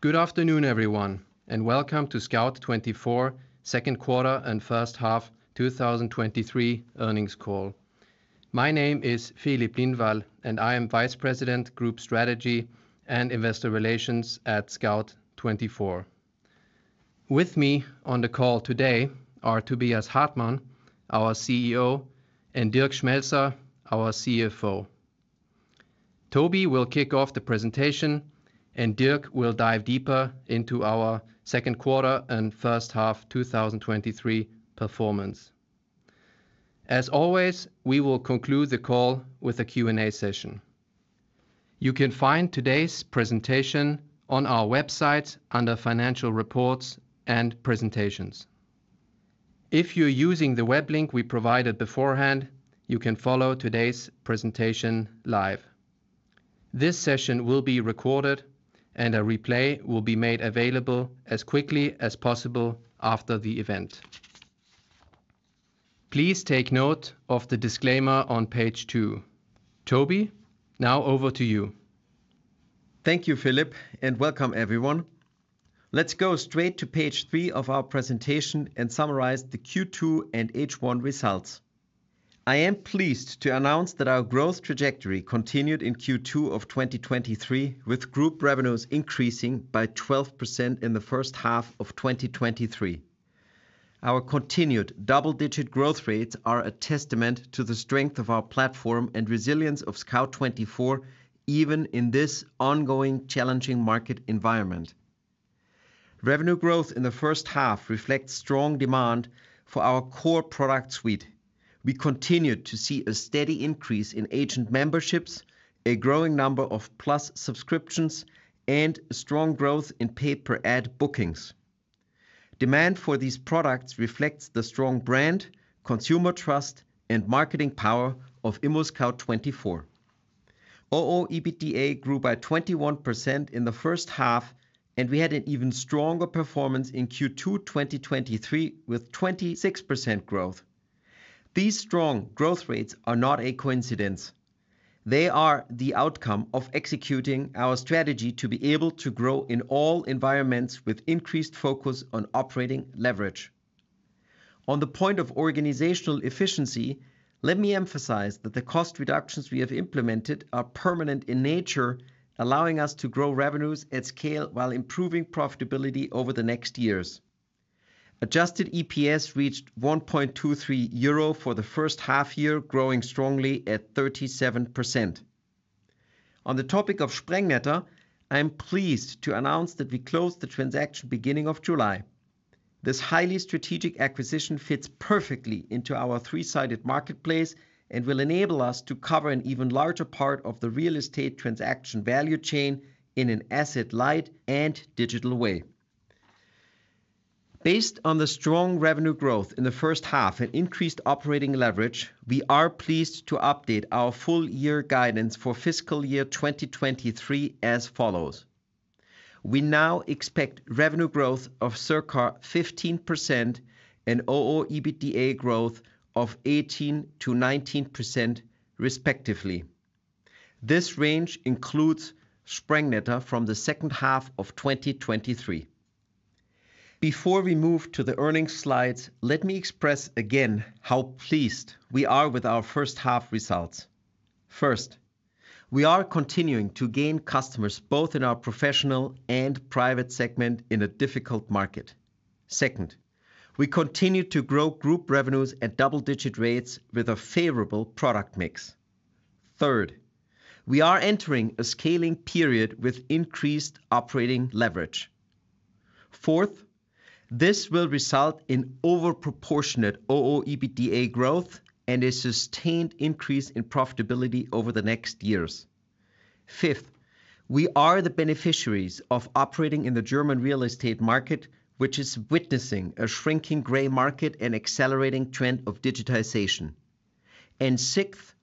Good afternoon, everyone, welcome to Scout24 Second Quarter and First Half 2023 Earnings Call. My name is Filip Lindvall, and I am Vice President, Group Strategy and Investor Relations at Scout24. With me on the call today are Tobias Hartmann, our CEO, and Dirk Schmelzer, our CFO. Toby will kick off the presentation, and Dirk will dive deeper into our second quarter and first half 2023 performance. As always, we will conclude the call with a Q&A session. You can find today's presentation on our website under Financial Reports and Presentations. If you're using the web link we provided beforehand, you can follow today's presentation live. This session will be recorded, and a replay will be made available as quickly as possible after the event. Please take note of the disclaimer on page 2. Toby, now over to you. Thank you, Filip, and welcome everyone. Let's go straight to page 3 of our presentation and summarize the Q2 and H1 results. I am pleased to announce that our growth trajectory continued in Q2 of 2023, with group revenues increasing by 12% in the first half of 2023. Our continued double-digit growth rates are a testament to the strength of our platform and resilience of Scout24, even in this ongoing challenging market environment. Revenue growth in the first half reflects strong demand for our core product suite. We continued to see a steady increase in agent memberships, a growing number of Plus subscriptions, and strong growth in pay-per-ad bookings. Demand for these products reflects the strong brand, consumer trust, and marketing power of ImmoScout24. OEBITDA grew by 21% in the first half, and we had an even stronger performance in Q2 2023, with 26% growth. These strong growth rates are not a coincidence. They are the outcome of executing our strategy to be able to grow in all environments with increased focus on operating leverage. On the point of organizational efficiency, let me emphasize that the cost reductions we have implemented are permanent in nature, allowing us to grow revenues at scale while improving profitability over the next years. Adjusted EPS reached 1.23 euro for the first half-year, growing strongly at 37%. On the topic of Sprengnetter, I am pleased to announce that we closed the transaction beginning of July. This highly strategic acquisition fits perfectly into our three-sided marketplace and will enable us to cover an even larger part of the real estate transaction value chain in an asset-light and digital way. Based on the strong revenue growth in the first half and increased operating leverage, we are pleased to update our full year guidance for fiscal year 2023 as follows: We now expect revenue growth of circa 15% and OEBITDA growth of 18%-19%, respectively. This range includes Sprengnetter from the second half of 2023. Before we move to the earnings slides, let me express again how pleased we are with our first half results. First, we are continuing to gain customers, both in our professional and private segment, in a difficult market. Second, we continue to grow group revenues at double-digit rates with a favorable product mix. Third, we are entering a scaling period with increased operating leverage. Fourth, this will result in overproportionate OEBITDA growth and a sustained increase in profitability over the next years. Fifth, we are the beneficiaries of operating in the German real estate market, which is witnessing a shrinking gray market and accelerating trend of digitization. Sixth,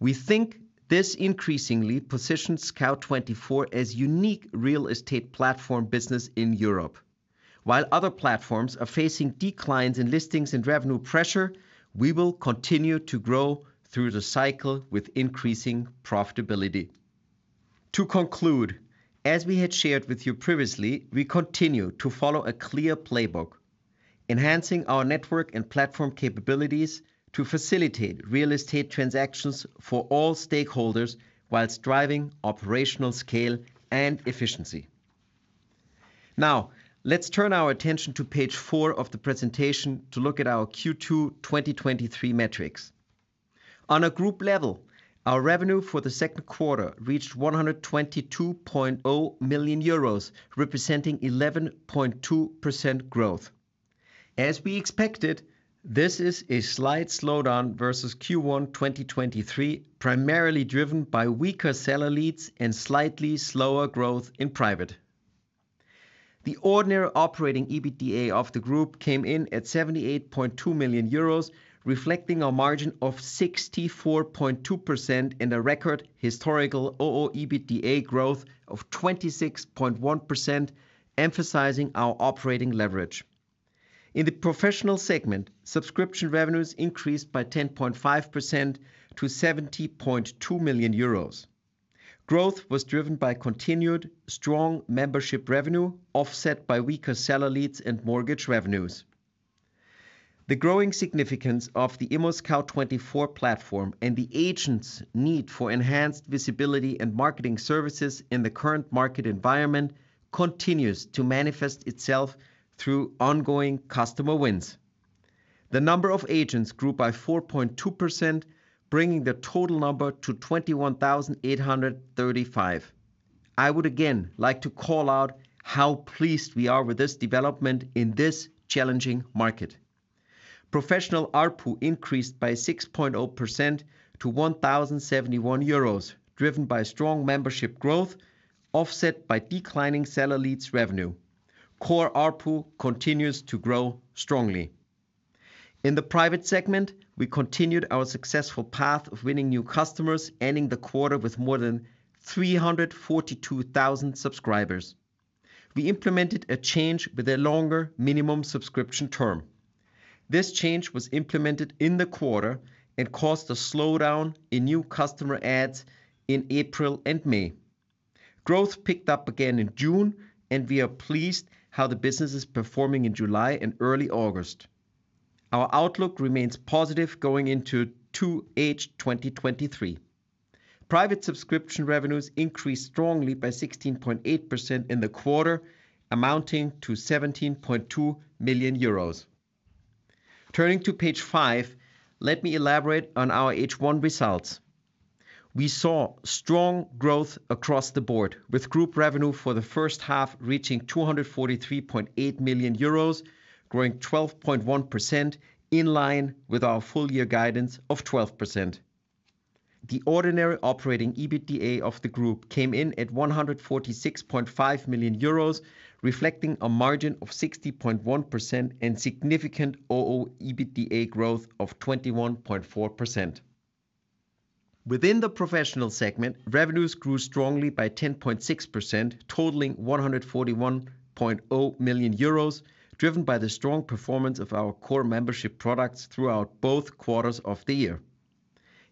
we think this increasingly positions Scout24 as unique real estate platform business in Europe. While other platforms are facing declines in listings and revenue pressure, we will continue to grow through the cycle with increasing profitability. To conclude, as we had shared with you previously, we continue to follow a clear playbook, enhancing our network and platform capabilities to facilitate real estate transactions for all stakeholders whilst driving operational scale and efficiency. Now, let's turn our attention to page 4 of the presentation to look at our Q2 2023 metrics. On a group level, our revenue for the second quarter reached 122.0 million euros, representing 11.2% growth. As we expected, this is a slight slowdown versus Q1 2023, primarily driven by weaker seller leads and slightly slower growth in private. The ordinary operating OEBITDA of the group came in at 78.2 million euros, reflecting a margin of 64.2% and a record historical OEBITDA growth of 26.1%, emphasizing our operating leverage. In the professional segment, subscription revenues increased by 10.5% to 70.2 million euros. Growth was driven by continued strong membership revenue, offset by weaker seller leads and mortgage revenues. The growing significance of the ImmoScout24 platform and the agents' need for enhanced visibility and marketing services in the current market environment continues to manifest itself through ongoing customer wins. The number of agents grew by 4.2%, bringing the total number to 21,835. I would again like to call out how pleased we are with this development in this challenging market. Professional ARPU increased by 6.0% to 1,071 euros, driven by strong membership growth, offset by declining seller leads revenue. Core ARPU continues to grow strongly. In the private segment, we continued our successful path of winning new customers, ending the quarter with more than 342,000 subscribers. We implemented a change with a longer minimum subscription term. This change was implemented in the quarter and caused a slowdown in new customer adds in April and May. Growth picked up again in June, and we are pleased how the business is performing in July and early August. Our outlook remains positive going into 2H 2023. Private subscription revenues increased strongly by 16.8% in the quarter, amounting to 17.2 million euros. Turning to page five, let me elaborate on our H1 results. We saw strong growth across the board, with group revenue for the first half reaching 243.8 million euros, growing 12.1%, in line with our full year guidance of 12%. The ordinary Operating EBITDA of the group came in at 146.5 million euros, reflecting a margin of 60.1% and significant OEBITDA growth of 21.4%. Within the professional segment, revenues grew strongly by 10.6%, totaling 141.0 million euros, driven by the strong performance of our core membership products throughout both quarters of the year.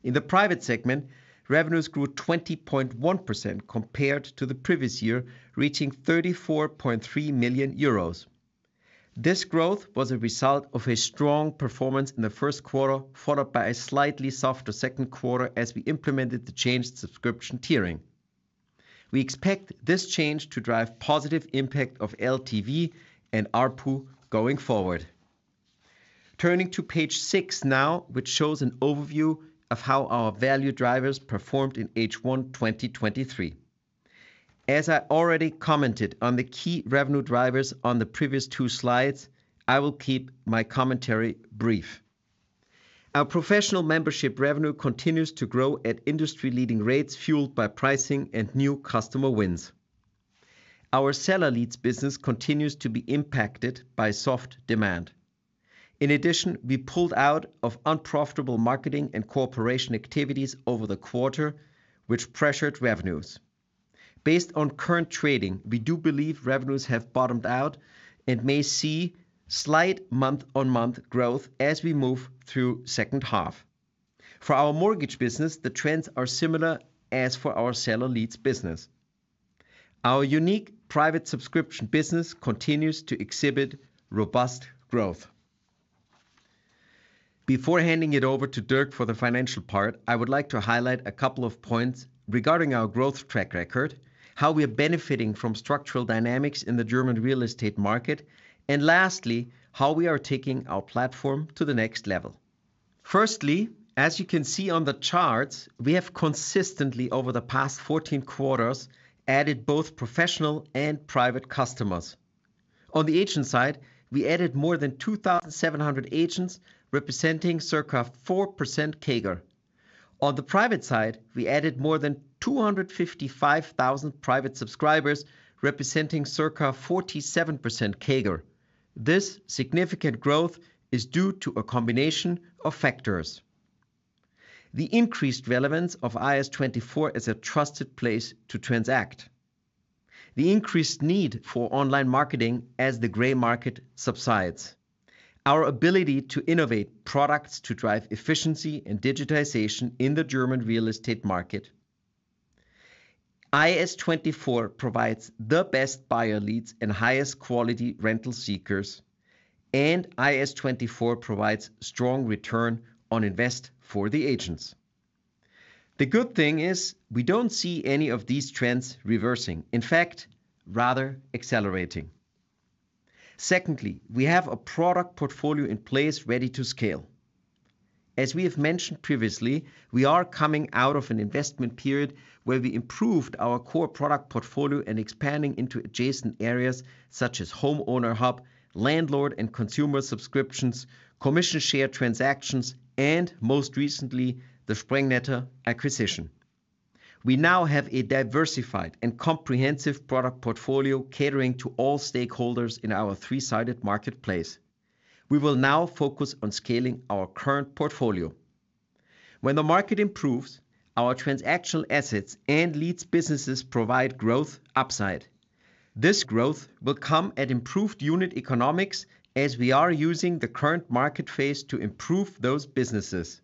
In the private segment, revenues grew 20.1% compared to the previous year, reaching 34.3 million euros. This growth was a result of a strong performance in the first quarter, followed by a slightly softer second quarter as we implemented the changed subscription tiering. We expect this change to drive positive impact of LTV and ARPU going forward. Turning to page six now, which shows an overview of how our value drivers performed in H1 2023. As I already commented on the key revenue drivers on the previous two slides, I will keep my commentary brief. Our professional membership revenue continues to grow at industry-leading rates, fueled by pricing and new customer wins. Our seller leads business continues to be impacted by soft demand. In addition, we pulled out of unprofitable marketing and cooperation activities over the quarter, which pressured revenues. Based on current trading, we do believe revenues have bottomed out and may see slight month-on-month growth as we move through second half. For our mortgage business, the trends are similar as for our seller leads business. Our unique private subscription business continues to exhibit robust growth. Before handing it over to Dirk for the financial part, I would like to highlight a couple of points regarding our growth track record, how we are benefiting from structural dynamics in the German real estate market, and lastly, how we are taking our platform to the next level. Firstly, as you can see on the charts, we have consistently, over the past 14 quarters, added both professional and private customers. On the agent side, we added more than 2,700 agents, representing circa 4% CAGR. On the private side, we added more than 255,000 private subscribers, representing circa 47% CAGR. This significant growth is due to a combination of factors: the increased relevance of IS24 as a trusted place to transact, the increased need for online marketing as the gray market subsides, our ability to innovate products to drive efficiency and digitization in the German real estate market. IS24 provides the best buyer leads and highest quality rental seekers, and IS24 provides strong return on invest for the agents. The good thing is, we don't see any of these trends reversing, in fact, rather accelerating. Secondly, we have a product portfolio in place ready to scale. As we have mentioned previously, we are coming out of an investment period where we improved our core product portfolio and expanding into adjacent areas such as Homeowner Hub, landlord and consumer subscriptions, commission share transactions, and most recently, the Sprengnetter acquisition. We now have a diversified and comprehensive product portfolio catering to all stakeholders in our three-sided marketplace. We will now focus on scaling our current portfolio. When the market improves, our transactional assets and leads businesses provide growth upside. This growth will come at improved unit economics, as we are using the current market phase to improve those businesses.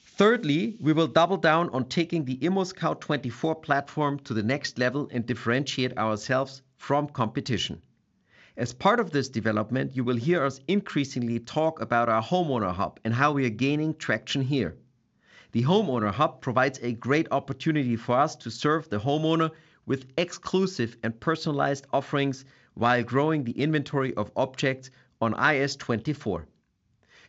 Thirdly, we will double down on taking the ImmoScout24 platform to the next level and differentiate ourselves from competition. As part of this development, you will hear us increasingly talk about our Homeowner Hub and how we are gaining traction here. The Homeowner Hub provides a great opportunity for us to serve the homeowner with exclusive and personalized offerings, while growing the inventory of objects on IS24.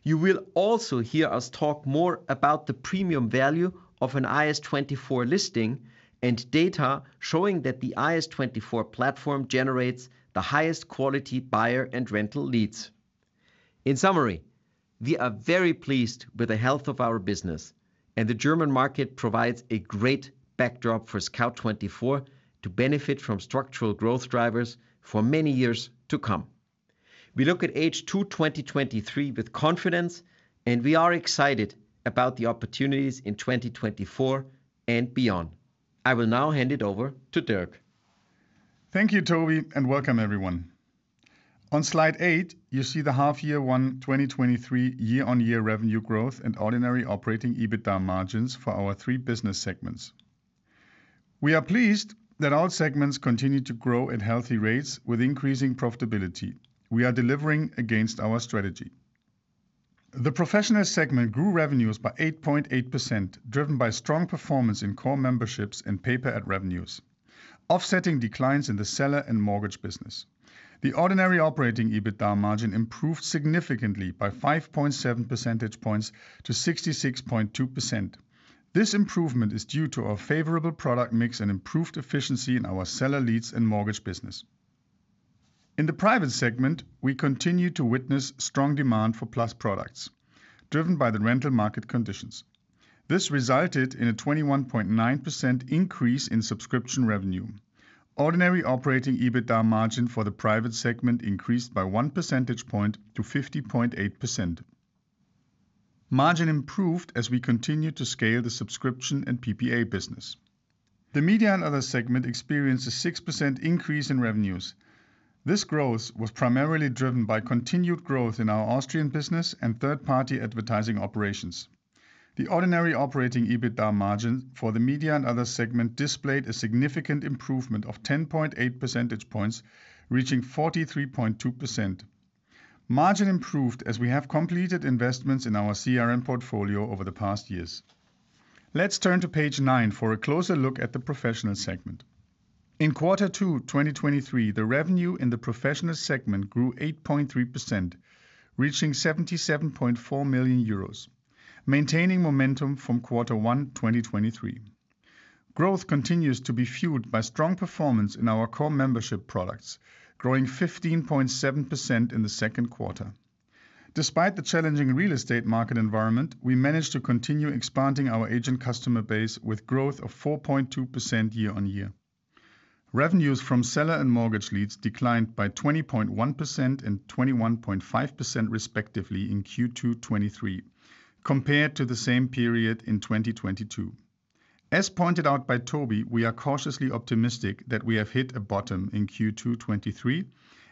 You will also hear us talk more about the premium value of an IS24 listing and data showing that the IS24 platform generates the highest quality buyer and rental leads. In summary, we are very pleased with the health of our business, and the German market provides a great backdrop for Scout24 to benefit from structural growth drivers for many years to come. We look at H2 2023 with confidence, and we are excited about the opportunities in 2024 and beyond. I will now hand it over to Dirk. Thank you, Toby. Welcome everyone. On slide 8, you see the H1 2023 year-on-year revenue growth and ordinary operating EBITDA margins for our three business segments. We are pleased that all segments continue to grow at healthy rates with increasing profitability. We are delivering against our strategy. The professional segment grew revenues by 8.8%, driven by strong performance in core memberships and pay-per-ad revenues, offsetting declines in the seller and mortgage business. The ordinary operating EBITDA margin improved significantly by 5.7 percentage points to 66.2%. This improvement is due to our favorable product mix and improved efficiency in our seller leads and mortgage business. In the private segment, we continue to witness strong demand for Plus products, driven by the rental market conditions. This resulted in a 21.9% increase in subscription revenue. Ordinary operating EBITDA margin for the private segment increased by 1 percentage point to 50.8%. Margin improved as we continued to scale the subscription and PPA business. The media and other segment experienced a 6% increase in revenues. This growth was primarily driven by continued growth in our Austrian business and third-party advertising operations. The ordinary operating EBITDA margin for the media and other segment displayed a significant improvement of 10.8 percentage points, reaching 43.2%. Margin improved as we have completed investments in our CRM portfolio over the past years. Let's turn to page 9 for a closer look at the professional segment. In Q2, 2023, the revenue in the professional segment grew 8.3%, reaching 77.4 million euros, maintaining momentum from Q1, 2023. Growth continues to be fueled by strong performance in our core membership products, growing 15.7% in the second quarter. Despite the challenging real estate market environment, we managed to continue expanding our agent customer base with growth of 4.2% year-on-year. Revenues from seller and mortgage leads declined by 20.1% and 21.5% respectively in Q2 2023, compared to the same period in 2022. As pointed out by Toby, we are cautiously optimistic that we have hit a bottom in Q2 2023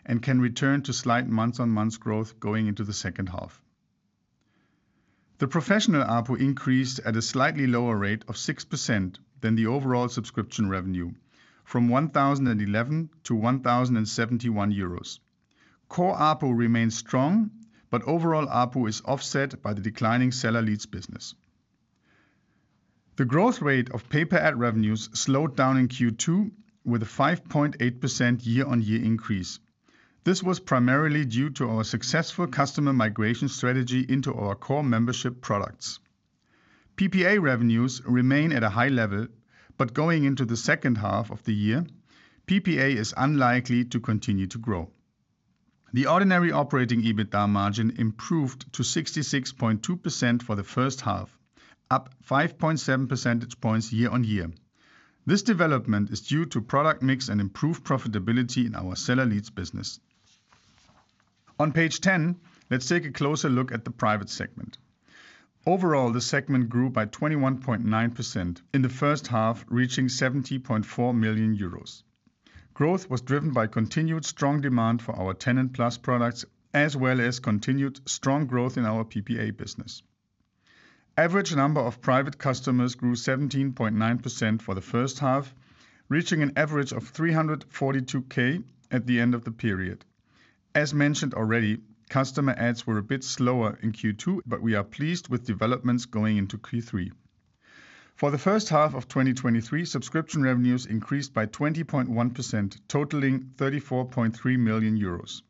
and can return to slight month-on-month growth going into the second half. The professional ARPU increased at a slightly lower rate of 6% than the overall subscription revenue from 1,011 to 1,071 euros. Core ARPU remains strong, but overall ARPU is offset by the declining seller leads business. The growth rate of pay-per-ad revenues slowed down in Q2 with a 5.8% year-on-year increase. This was primarily due to our successful customer migration strategy into our core membership products. PPA revenues remain at a high level. Going into the second half of the year, PPA is unlikely to continue to grow. The ordinary operating EBITDA margin improved to 66.2% for the first half, up 5.7 percentage points year-on-year. This development is due to product mix and improved profitability in our seller leads business. On page 10, let's take a closer look at the private segment. Overall, the segment grew by 21.9% in the first half, reaching 70.4 million euros. Growth was driven by continued strong demand for our TenantPlus products, as well as continued strong growth in our PPA business. Average number of private customers grew 17.9% for the first half, reaching an average of 342k at the end of the period. As mentioned already, customer ads were a bit slower in Q2, we are pleased with developments going into Q3. For the first half of 2023, subscription revenues increased by 20.1%, totaling 34.3 million euros.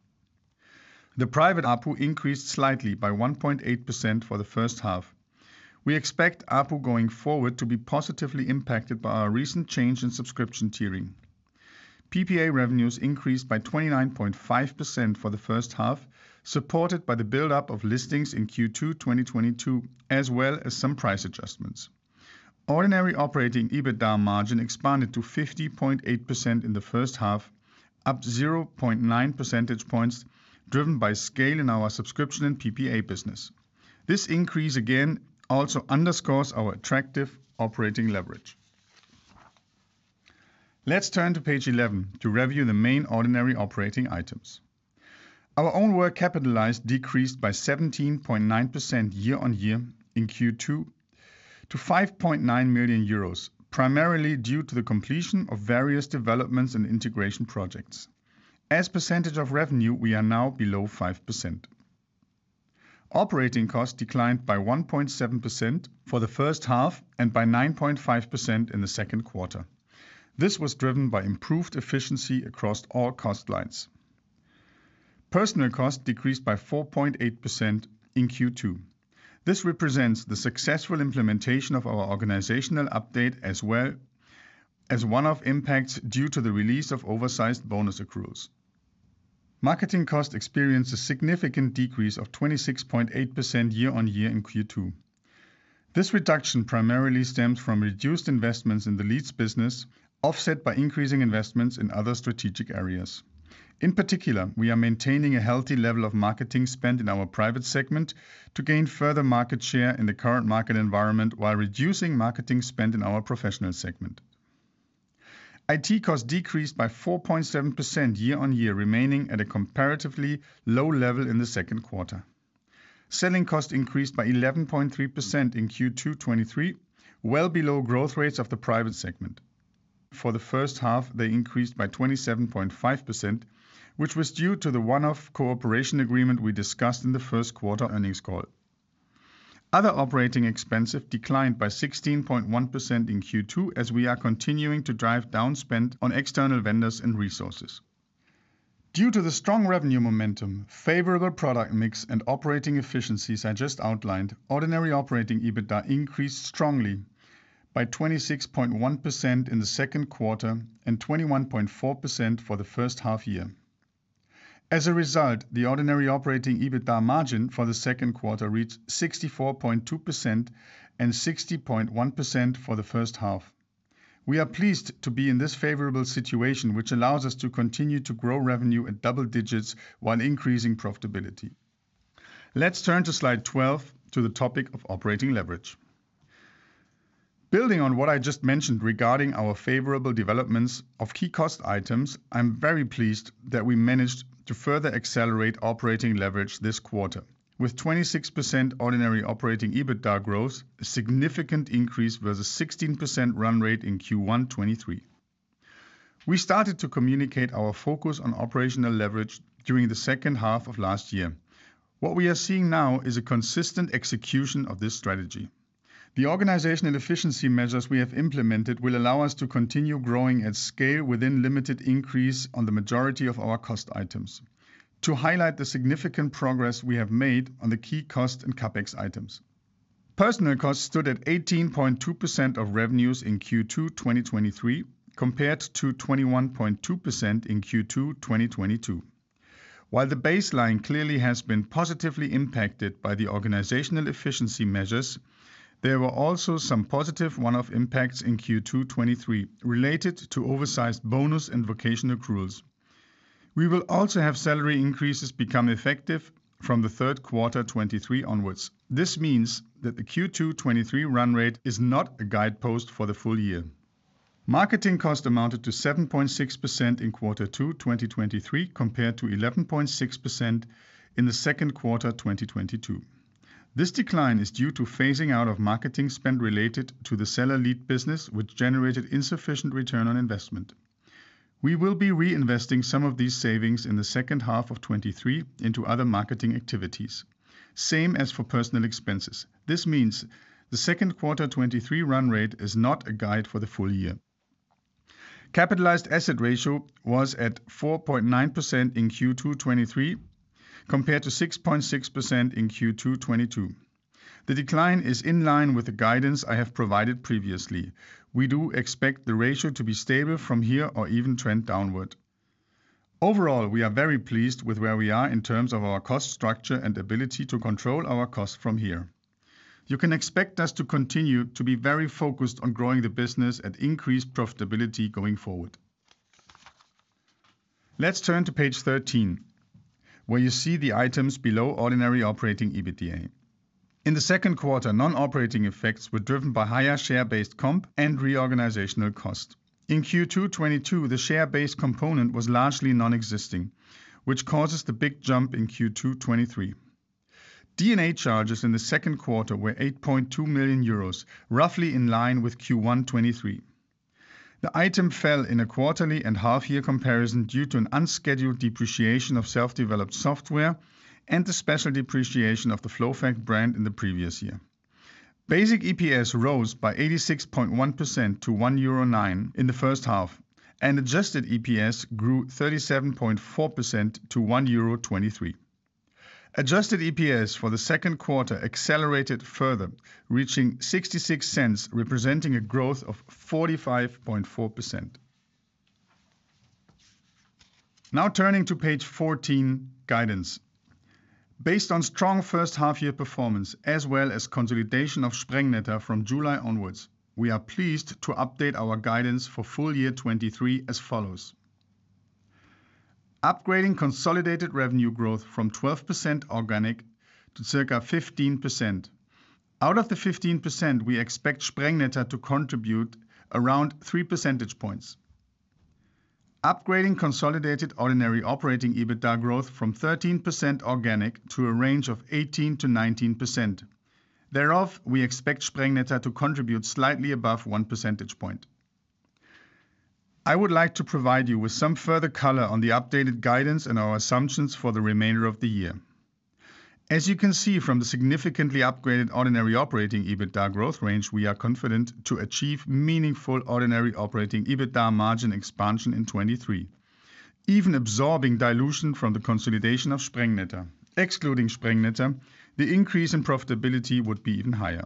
The private ARPU increased slightly by 1.8% for the first half. We expect ARPU going forward to be positively impacted by our recent change in subscription tiering. PPA revenues increased by 29.5% for the first half, supported by the buildup of listings in Q2 2022, as well as some price adjustments. Ordinary operating EBITDA margin expanded to 50.8% in the first half, up 0.9 percentage points, driven by scale in our subscription and PPA business. This increase, again, also underscores our attractive operating leverage. Let's turn to page 11 to review the main ordinary operating items. Our own work capitalized decreased by 17.9% year-on-year in Q2 to 5.9 million euros, primarily due to the completion of various developments and integration projects. As percentage of revenue, we are now below 5%. Operating costs declined by 1.7% for the first half and by 9.5% in the second quarter. This was driven by improved efficiency across all cost lines. Personnel costs decreased by 4.8% in Q2. This represents the successful implementation of our organizational update, as well as one-off impacts due to the release of oversized bonus accruals. Marketing costs experienced a significant decrease of 26.8% year-on-year in Q2. This reduction primarily stems from reduced investments in the leads business, offset by increasing investments in other strategic areas. In particular, we are maintaining a healthy level of marketing spend in our private segment to gain further market share in the current market environment, while reducing marketing spend in our professional segment. IT costs decreased by 4.7% year-on-year, remaining at a comparatively low level in the second quarter. Selling costs increased by 11.3% in Q2 2023, well below growth rates of the private segment. For the first half, they increased by 27.5%, which was due to the one-off cooperation agreement we discussed in the first quarter earnings call. Other operating expenses declined by 16.1% in Q2, as we are continuing to drive down spend on external vendors and resources. Due to the strong revenue momentum, favorable product mix, and operating efficiencies I just outlined, ordinary operating EBITDA increased strongly by 26.1% in the second quarter and 21.4% for the first half-year. As a result, the ordinary operating EBITDA margin for the second quarter reached 64.2% and 60.1% for the first half. We are pleased to be in this favorable situation, which allows us to continue to grow revenue in double digits while increasing profitability. Let's turn to slide 12 to the topic of operating leverage. Building on what I just mentioned regarding our favorable developments of key cost items, I'm very pleased that we managed to further accelerate operating leverage this quarter with 26% ordinary operating EBITDA growth, a significant increase versus 16% run-rate in Q1 2023. We started to communicate our focus on operational leverage during the second half of last year. What we are seeing now is a consistent execution of this strategy. The organizational efficiency measures we have implemented will allow us to continue growing at scale within limited increase on the majority of our cost items. To highlight the significant progress we have made on the key cost and CapEx items. Personnel costs stood at 18.2% of revenues in Q2 2023, compared to 21.2% in Q2 2022. While the baseline clearly has been positively impacted by the organizational efficiency measures, there were also some positive one-off impacts in Q2 2023 related to oversized bonus and vacation accruals. We will also have salary increases become effective from the third quarter 2023 onwards. This means that the Q2 2023 run-rate is not a guidepost for the full year. Marketing cost amounted to 7.6% in Q2 2023, compared to 11.6% in the Q2 2022. This decline is due to phasing out of marketing spend related to the seller lead business, which generated insufficient return on investment. We will be reinvesting some of these savings in the second half of 2023 into other marketing activities. Same as for personal expenses. This means the Q2 2023 run-rate is not a guide for the full year. Capitalized asset ratio was at 4.9% in Q2 2023, compared to 6.6% in Q2 2022. The decline is in line with the guidance I have provided previously. We do expect the ratio to be stable from here or even trend downward. Overall, we are very pleased with where we are in terms of our cost structure and ability to control our costs from here. You can expect us to continue to be very focused on growing the business and increase profitability going forward. Let's turn to page 13, where you see the items below ordinary OEBITDA. In the second quarter, non-operating effects were driven by higher share-based comp and reorganizational cost. In Q2 2022, the share-based component was largely non-existing, which causes the big jump in Q2 2023. D&A charges in the second quarter were 8.2 million euros, roughly in line with Q1 2023. The item fell in a quarterly and half year comparison due to an unscheduled depreciation of self-developed software and the special depreciation of the FlowFact brand in the previous year. Basic EPS rose by 86.1% to 1.09 euro in the first half, and adjusted EPS grew 37.4% to 1.23 euro. Adjusted EPS for the second quarter accelerated further, reaching 0.66, representing a growth of 45.4%. Turning to page 14, guidance. Based on strong first half-year performance, as well as consolidation of Sprengnetter from July onwards, we are pleased to update our guidance for full year 2023 as follows: upgrading consolidated revenue growth from 12% organic to circa 15%. Out of the 15%, we expect Sprengnetter to contribute around 3 percentage points. Upgrading consolidated ordinary operating EBITDA growth from 13% organic to a range of 18%-19%. Thereof, we expect Sprengnetter to contribute slightly above 1 percentage point. I would like to provide you with some further color on the updated guidance and our assumptions for the remainder of the year. As you can see from the significantly upgraded ordinary operating EBITDA growth range, we are confident to achieve meaningful ordinary operating EBITDA margin expansion in 2023, even absorbing dilution from the consolidation of Sprengnetter. Excluding Sprengnetter, the increase in profitability would be even higher.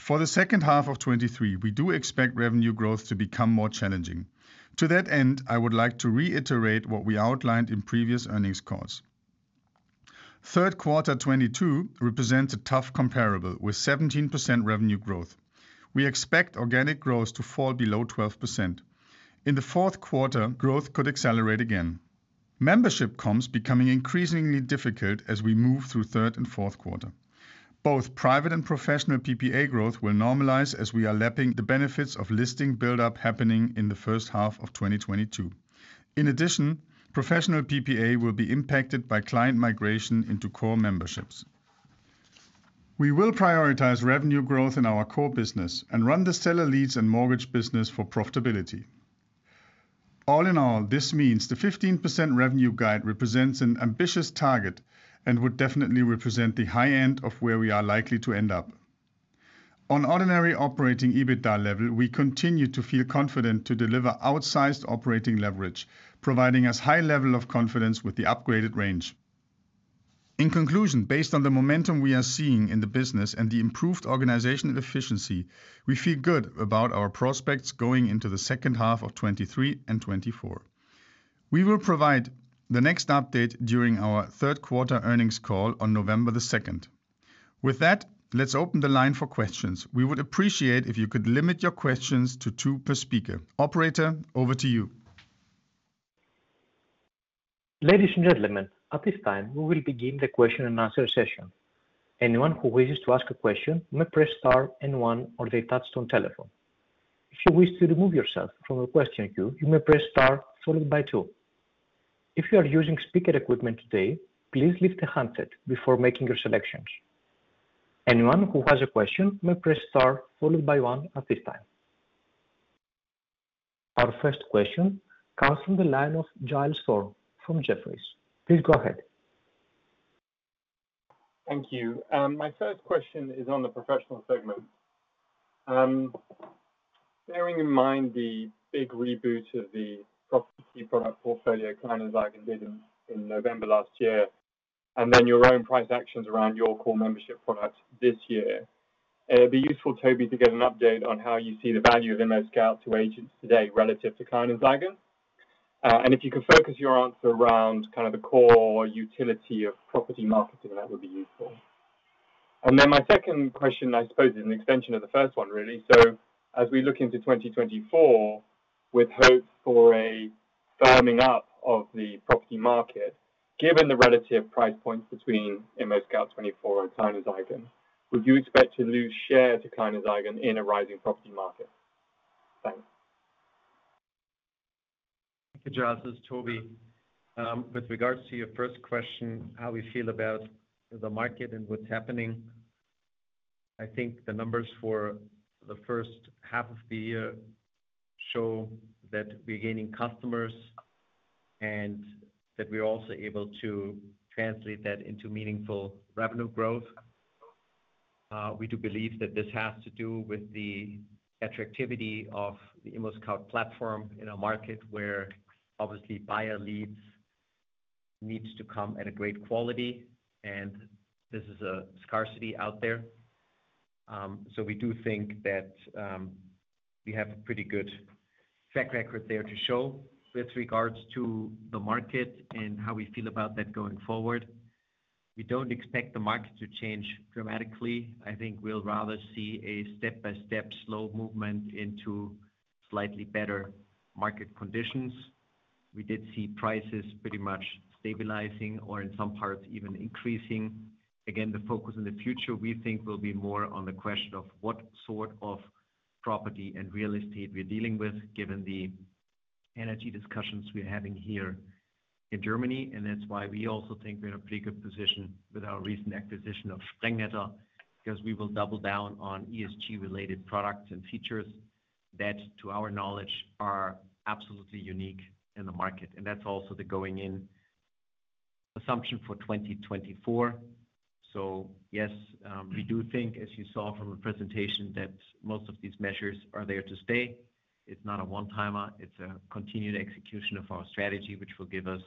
For the second half of 2023, we do expect revenue growth to become more challenging. To that end, I would like to reiterate what we outlined in previous earnings calls. Third quarter 2022 represents a tough comparable with 17% revenue growth. We expect organic growth to fall below 12%. In the fourth quarter, growth could accelerate again. Membership comps becoming increasingly difficult as we move through third and fourth quarter. Both private and professional PPA growth will normalize as we are lapping the benefits of listing buildup happening in the first half of 2022. In addition, professional PPA will be impacted by client migration into core memberships. We will prioritize revenue growth in our core business and run the seller leads and mortgage business for profitability. All in all, this means the 15% revenue guide represents an ambitious target and would definitely represent the high end of where we are likely to end up. On ordinary Operating EBITDA level, we continue to feel confident to deliver outsized operating leverage, providing us high level of confidence with the upgraded range. In conclusion, based on the momentum we are seeing in the business and the improved organizational efficiency, we feel good about our prospects going into the H2 of 2023 and 2024. We will provide the next update during our third quarter earnings call on November the 2nd. With that, let's open the line for questions. We would appreciate if you could limit your questions to two per speaker. Operator, over to you. Ladies and gentlemen, at this time, we will begin the question and answer session. Anyone who wishes to ask a question may press star and one on their touch-tone telephone. If you wish to remove yourself from the question queue, you may press star followed by two. If you are using speaker equipment today, please lift the handset before making your selections. Anyone who has a question may press star followed by one at this time. Our first question comes from the line of Giles Thorne from Jefferies. Please go ahead. Thank you. My first question is on the professional segment. Bearing in mind the big reboot of the property product portfolio, Kleinanzeigen, did in November last year, then your own price actions around your core membership product this year, it'd be useful, Toby, to get an update on how you see the value of ImmoScout to agents today relative to Kleinanzeigen. If you could focus your answer around kind of the core utility of property marketing, that would be useful. My second question, I suppose, is an extension of the first one, really. As we look into 2024, with hope for a firming up of the property market, given the relative price points between ImmoScout24 and Kleinanzeigen, would you expect to lose share to Kleinanzeigen in a rising property market? Thanks. Thank you, Giles. This is Tobias Hartmann. With regards to your first question, how we feel about the market and what's happening, I think the numbers for the first half of the year show that we're gaining customers and that we're also able to translate that into meaningful revenue growth. We do believe that this has to do with the attractivity of the ImmoScout24 platform in a market where obviously buyer leads needs to come at a great quality, and this is a scarcity out there. We do think that we have a pretty good track record there to show. With regards to the market and how we feel about that going forward, we don't expect the market to change dramatically. I think we'll rather see a step-by-step slow movement into slightly better market conditions. We did see prices pretty much stabilizing or in some parts, even increasing. Again, the focus in the future, we think, will be more on the question of what sort of property and real estate we're dealing with, given the energy discussions we're having here in Germany. That's why we also think we're in a pretty good position with our recent acquisition of Sprengnetter, because we will double down on ESG-related products and features that, to our knowledge, are absolutely unique in the market. That's also the going-in assumption for 2024. Yes, we do think, as you saw from the presentation, that most of these measures are there to stay. It's not a one-timer, it's a continued execution of our strategy, which will give us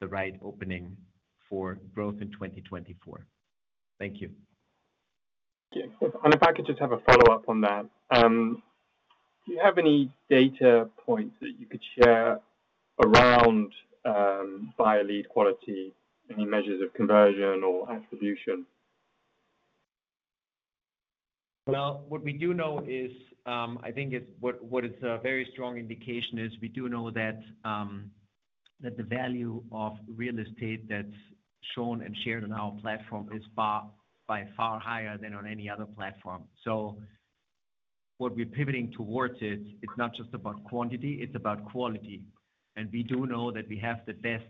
the right opening for growth in 2024. Thank you. Yeah, and if I could just have a follow-up on that. Do you have any data points that you could share around buyer lead quality, any measures of conversion or attribution? Well, what we do know is, I think it's what, what is a very strong indication is we do know that, that the value of real estate that's shown and shared on our platform is far, by far higher than on any other platform. What we're pivoting towards is, it's not just about quantity, it's about quality. We do know that we have the best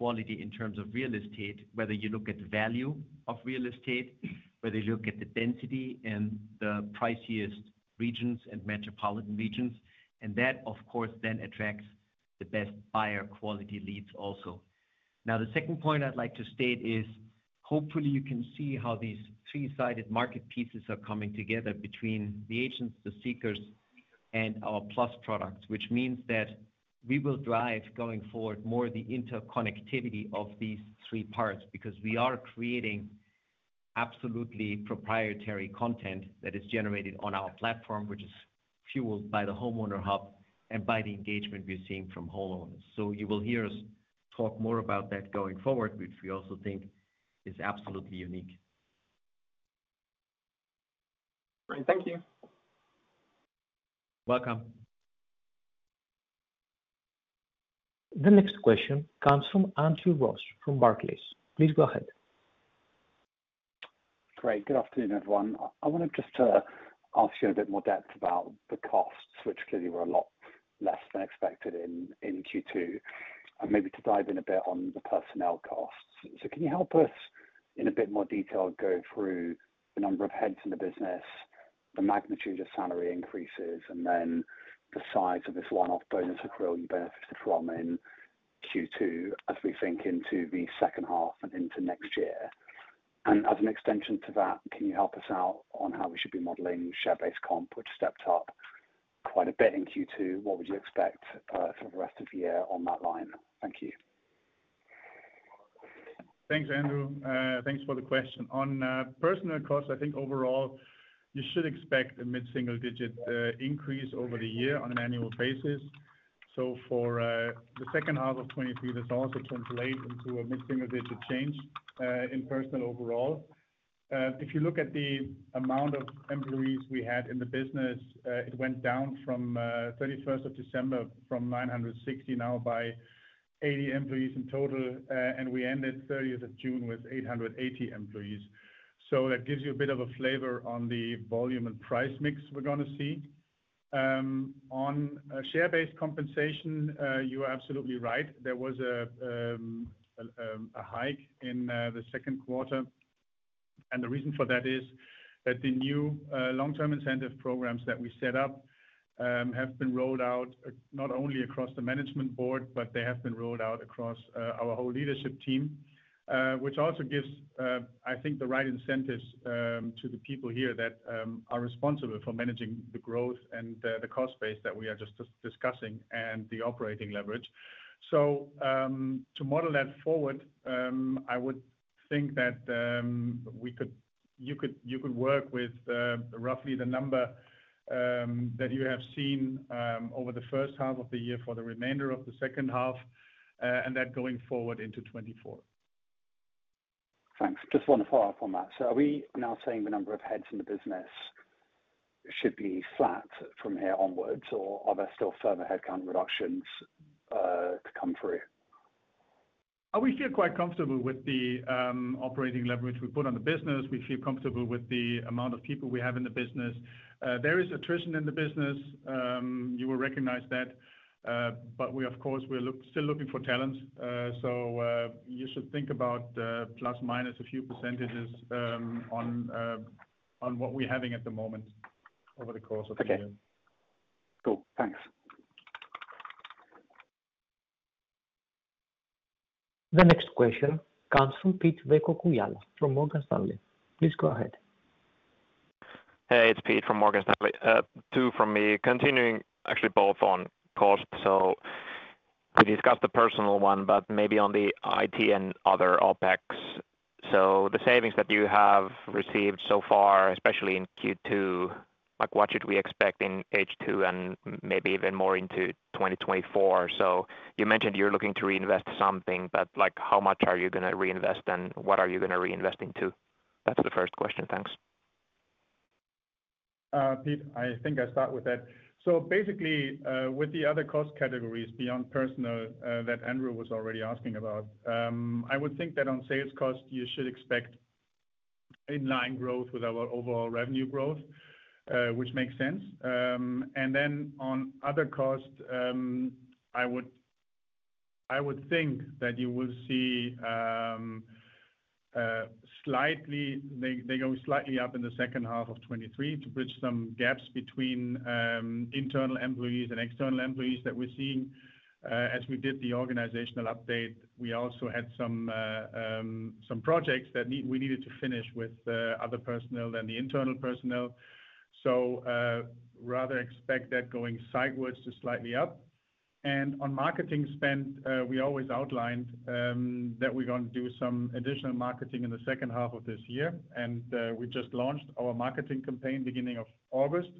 quality in terms of real estate, whether you look at value of real estate, whether you look at the density and the priciest regions and metropolitan regions, and that, of course, then attracts the best buyer quality leads also. Now, the second point I'd like to state is, hopefully, you can see how these three-sided market pieces are coming together between the agents, the seekers, and our Plus products, which means that we will drive, going forward, more of the interconnectivity of these three parts, because we are creating absolutely proprietary content that is generated on our platform, which is fueled by the Homeowner Hub and by the engagement we're seeing from homeowners. You will hear us talk more about that going forward, which we also think is absolutely unique. Great. Thank you. Welcome. The next question comes from Andrew Ross from Barclays. Please go ahead. Great. Good afternoon, everyone. I wanted just to ask you a bit more depth about the costs, which clearly were a lot less than expected in Q2, and maybe to dive in a bit on the personnel costs. Can you help us, in a bit more detail, go through the number of heads in the business, the magnitude of salary increases, and then the size of this one-off bonus accrual you benefited from in Q2 as we think into the second half and into next year? As an extension to that, can you help us out on how we should be modeling share-based comp, which stepped up quite a bit in Q2? What would you expect for the rest of the year on that line? Thank you. Thanks, Andrew. Thanks for the question. On personnel costs, I think overall, you should expect a mid-single digit increase over the year on an annual basis. For the second half of 2023, this also translates into a mid-single-digit change in personnel overall. If you look at the amount of employees we had in the business, it went down from 31st of December, from 960, now by 80 employees in total. We ended 30th of June with 880 employees. That gives you a bit of a flavor on the volume and price mix we're gonna see. On share-based compensation, you are absolutely right. There was a hike in the second quarter. The reason for that is that the new long-term incentive programs that we set up have been rolled out, not only across the management board, but they have been rolled out across our whole leadership team. Which also gives, I think, the right incentives to the people here that are responsible for managing the growth and the cost base that we are just discussing and the operating leverage. To model that forward, I would think that you could, you could work with roughly the number that you have seen over the first half of the year for the remainder of the second half, and that going forward into 2024. Thanks. Just want to follow up on that. Are we now saying the number of heads in the business should be flat from here onwards, or are there still further headcount reductions to come through? We feel quite comfortable with the operating leverage we put on the business. We feel comfortable with the amount of people we have in the business. There is attrition in the business, you will recognize that, but we of course, we're still looking for talent. You should think about ± a few % on what we're having at the moment over the course of the year. Okay, cool. Thanks. The next question comes from Pete-Veikko Kujala from Morgan Stanley. Please go ahead. Hey, it's Pete from Morgan Stanley. Two from me, continuing actually both on cost. We discussed the personal one, but maybe on the IT and other OpEx. The savings that you have received so far, especially in Q2, like, what should we expect in H2 and maybe even more into 2024? You mentioned you're looking to reinvest something, but, like, how much are you gonna reinvest and what are you gonna reinvest into? That's the first question. Thanks. Pete, I think I start with that. Basically, with the other cost categories beyond personnel, that Andrew was already asking about, I would think that on sales cost, you should expect in-line growth with our overall revenue growth, which makes sense. And then on other costs, I would, I would think that you will see, slightly, they, they go slightly up in the second half of 2023 to bridge some gaps between internal employees and external employees that we're seeing. As we did the organizational update, we also had some projects that need, we needed to finish with other personnel than the internal personnel. Rather expect that going sideways to slightly up. On marketing spend, we always outlined that we're going to do some additional marketing in the second half of this year, and we just launched our marketing campaign beginning of August.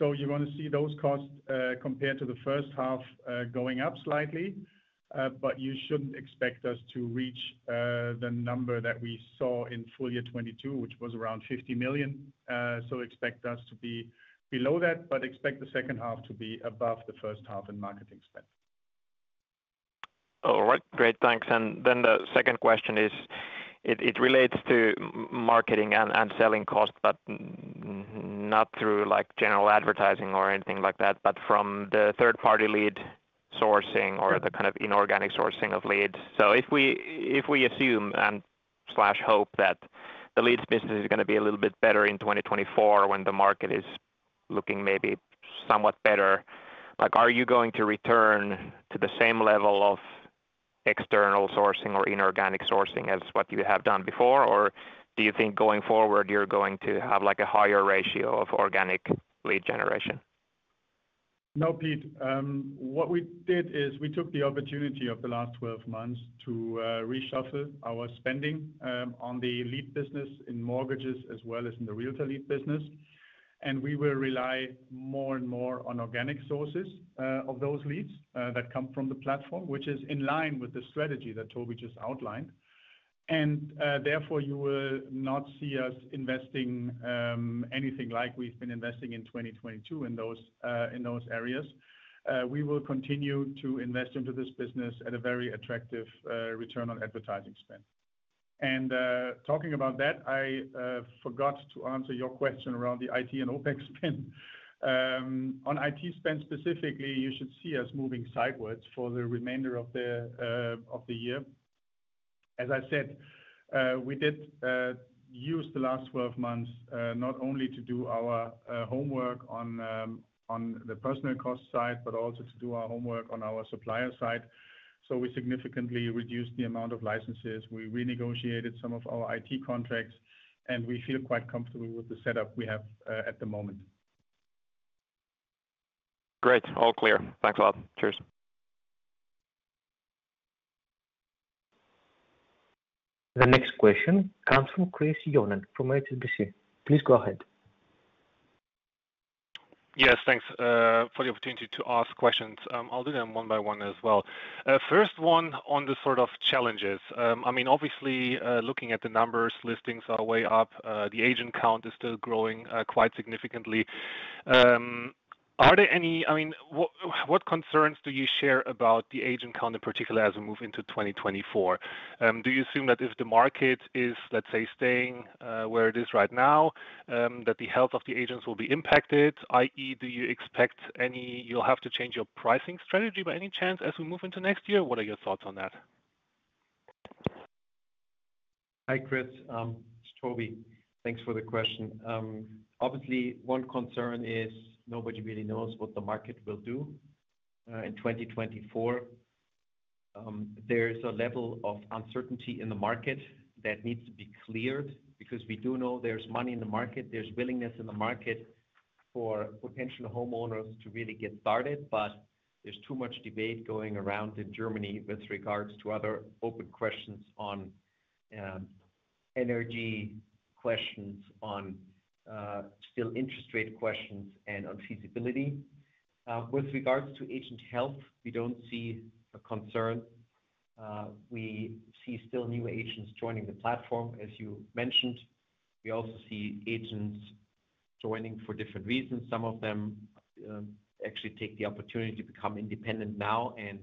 You're going to see those costs compared to the first half going up slightly. You shouldn't expect us to reach the number that we saw in full year 2022, which was around 50 million. Expect us to be below that, expect the second half to be above the first half in marketing spend. All right. Great, thanks. The second question is, it relates to marketing and, and selling costs, but not through, like, general advertising or anything like that, but from the third-party lead sourcing or the kind of inorganic sourcing of leads. If we assume and slash hope that the leads business is going to be a little bit better in 2024, when the market is looking maybe somewhat better, like, are you going to return to the same level of external sourcing or inorganic sourcing as what you have done before? Do you think going forward, you're going to have, like, a higher ratio of organic lead generation? No, Pete. What we did is we took the opportunity of the last 12 months to reshuffle our spending on the lead business in mortgages as well as in the realtor lead business. We will rely more and more on organic sources of those leads that come from the platform, which is in line with the strategy that Toby just outlined. Therefore, you will not see us investing anything like we've been investing in 2022 in those in those areas. We will continue to invest into this business at a very attractive return on advertising spend. Talking about that, I forgot to answer your question around the IT and OpEx spend. On IT spend, specifically, you should see us moving sideways for the remainder of the year. As I said, we did use the last 12 months, not only to do our homework on the personnel cost side, but also to do our homework on our supplier side. We significantly reduced the amount of licenses, we renegotiated some of our IT contracts, and we feel quite comfortable with the setup we have at the moment. Great. All clear. Thanks a lot. Cheers. The next question comes from Christopher Johnen from HSBC. Please go ahead. Yes, thanks for the opportunity to ask questions. I'll do them one by one as well. First one on the sort of challenges. I mean, obviously, looking at the numbers, listings are way up. The agent count is still growing quite significantly. Are there any-- I mean, what, what concerns do you share about the agent count, in particular as we move into 2024? Do you assume that if the market is, let's say, staying where it is right now, that the health of the agents will be impacted? I.e., do you expect any. You'll have to change your pricing strategy by any chance, as we move into next year? What are your thoughts on that? Hi, Chris. It's Toby. Thanks for the question. Obviously, one concern is nobody really knows what the market will do in 2024. There's a level of uncertainty in the market that needs to be cleared, because we do know there's money in the market, there's willingness in the market for potential homeowners to really get started, but there's too much debate going around in Germany with regards to other open questions on energy questions, on still interest rate questions and on feasibility. With regards to agent health, we don't see a concern. We see still new agents joining the platform, as you mentioned. We also see agents joining for different reasons. Some of them, actually take the opportunity to become independent now and,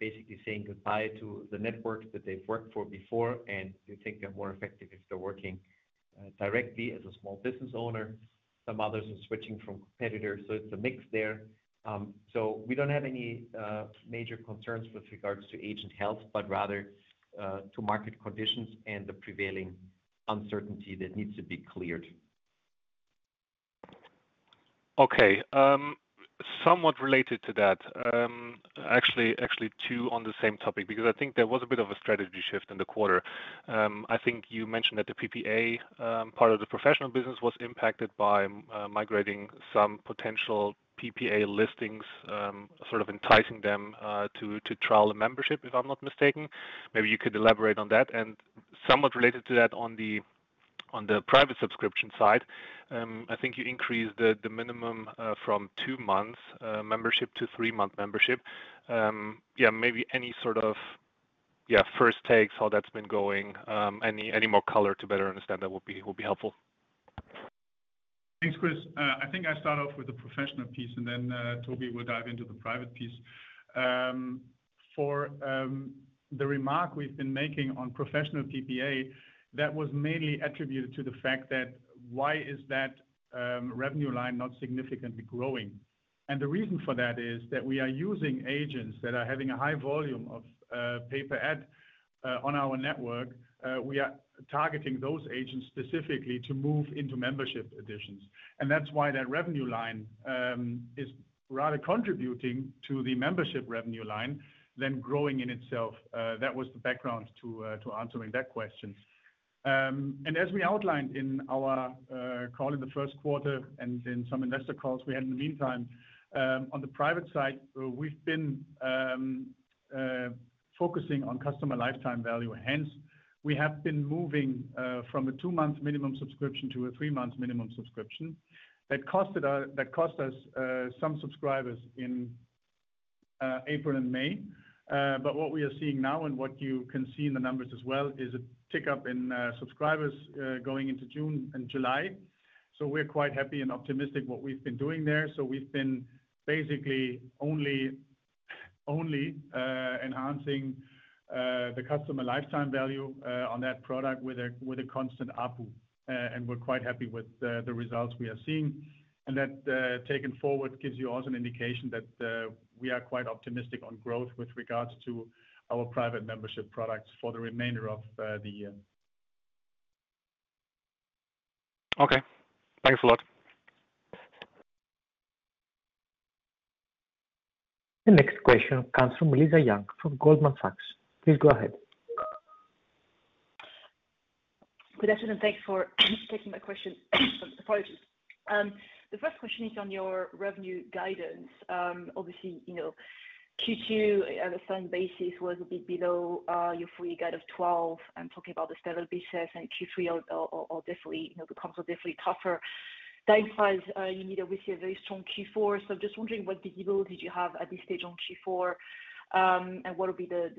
basically saying goodbye to the network that they've worked for before, and they think they're more effective if they're working, directly as a small business owner. Some others are switching from competitors, so it's a mix there. We don't have any major concerns with regards to agent health, but rather, to market conditions and the prevailing uncertainty that needs to be cleared. Okay. Somewhat related to that, actually, actually two on the same topic, because I think there was a bit of a strategy shift in the quarter. I think you mentioned that the PPA, part of the professional business, was impacted by, migrating some potential PPA listings, sort of enticing them, to, to trial a membership, if I'm not mistaken. Maybe you could elaborate on that. Somewhat related to that, on the, on the private subscription side, I think you increased the, the minimum, from two months, membership to three-month membership. Yeah, maybe any sort of, yeah, first takes, how that's been going, any, any more color to better understand that would be, would be helpful. Thanks, Chris. I think I start off with the professional piece, then Toby will dive into the private piece. For the remark we've been making on professional PPA, that was mainly attributed to the fact that why is that revenue line not significantly growing? The reason for that is that we are using agents that are having a high volume of pay-per-ad on our network. We are targeting those agents specifically to move into membership additions, and that's why that revenue line is rather contributing to the membership revenue line than growing in itself. That was the background to answering that question. And as we outlined in our call in the first quarter and in some investor calls we had in the meantime, on the private side, we've been focusing on customer lifetime value. Hence, we have been moving from a two-month minimum subscription to a three-month minimum subscription. That costed us, that cost us some subscribers in April and May. But what we are seeing now and what you can see in the numbers as well, is a tick up in subscribers going into June and July. We're quite happy and optimistic what we've been doing there. We've been basically only enhancing the customer lifetime value on that product with a constant ARPU. And we're quite happy with the results we are seeing. That, taken forward, gives you also an indication that we are quite optimistic on growth with regards to our private membership products for the remainder of the year. Okay, thanks a lot. The next question comes from Lisa Yang from Goldman Sachs. Please go ahead. Good afternoon, thanks for taking my question. Apologies. The first question is on your revenue guidance. Obviously, you know, Q2 at a certain basis was a bit below your free guide of 12. I'm talking about the stable business, and Q3 are definitely, you know, becomes definitely tougher. That implies you need obviously a very strong Q4. Just wondering, what visibility do you have at this stage on Q4? And what would be the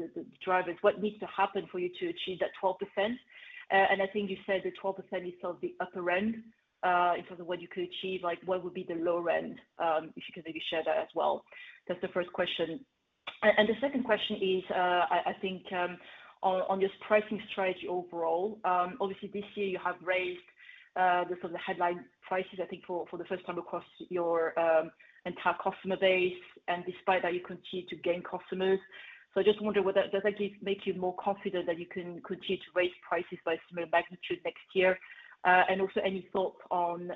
drivers? What needs to happen for you to achieve that 12%? And I think you said the 12% is still the upper end in terms of what you could achieve. Like, what would be the lower end? If you could maybe share that as well. That's the first question. The second question is, I think, on this pricing strategy overall. Obviously this year you have raised the sort of the headline prices, I think, for the first time across your entire customer base, and despite that, you continue to gain customers. I just wonder whether does that make you more confident that you can continue to raise prices by a similar magnitude next year? Also any thoughts on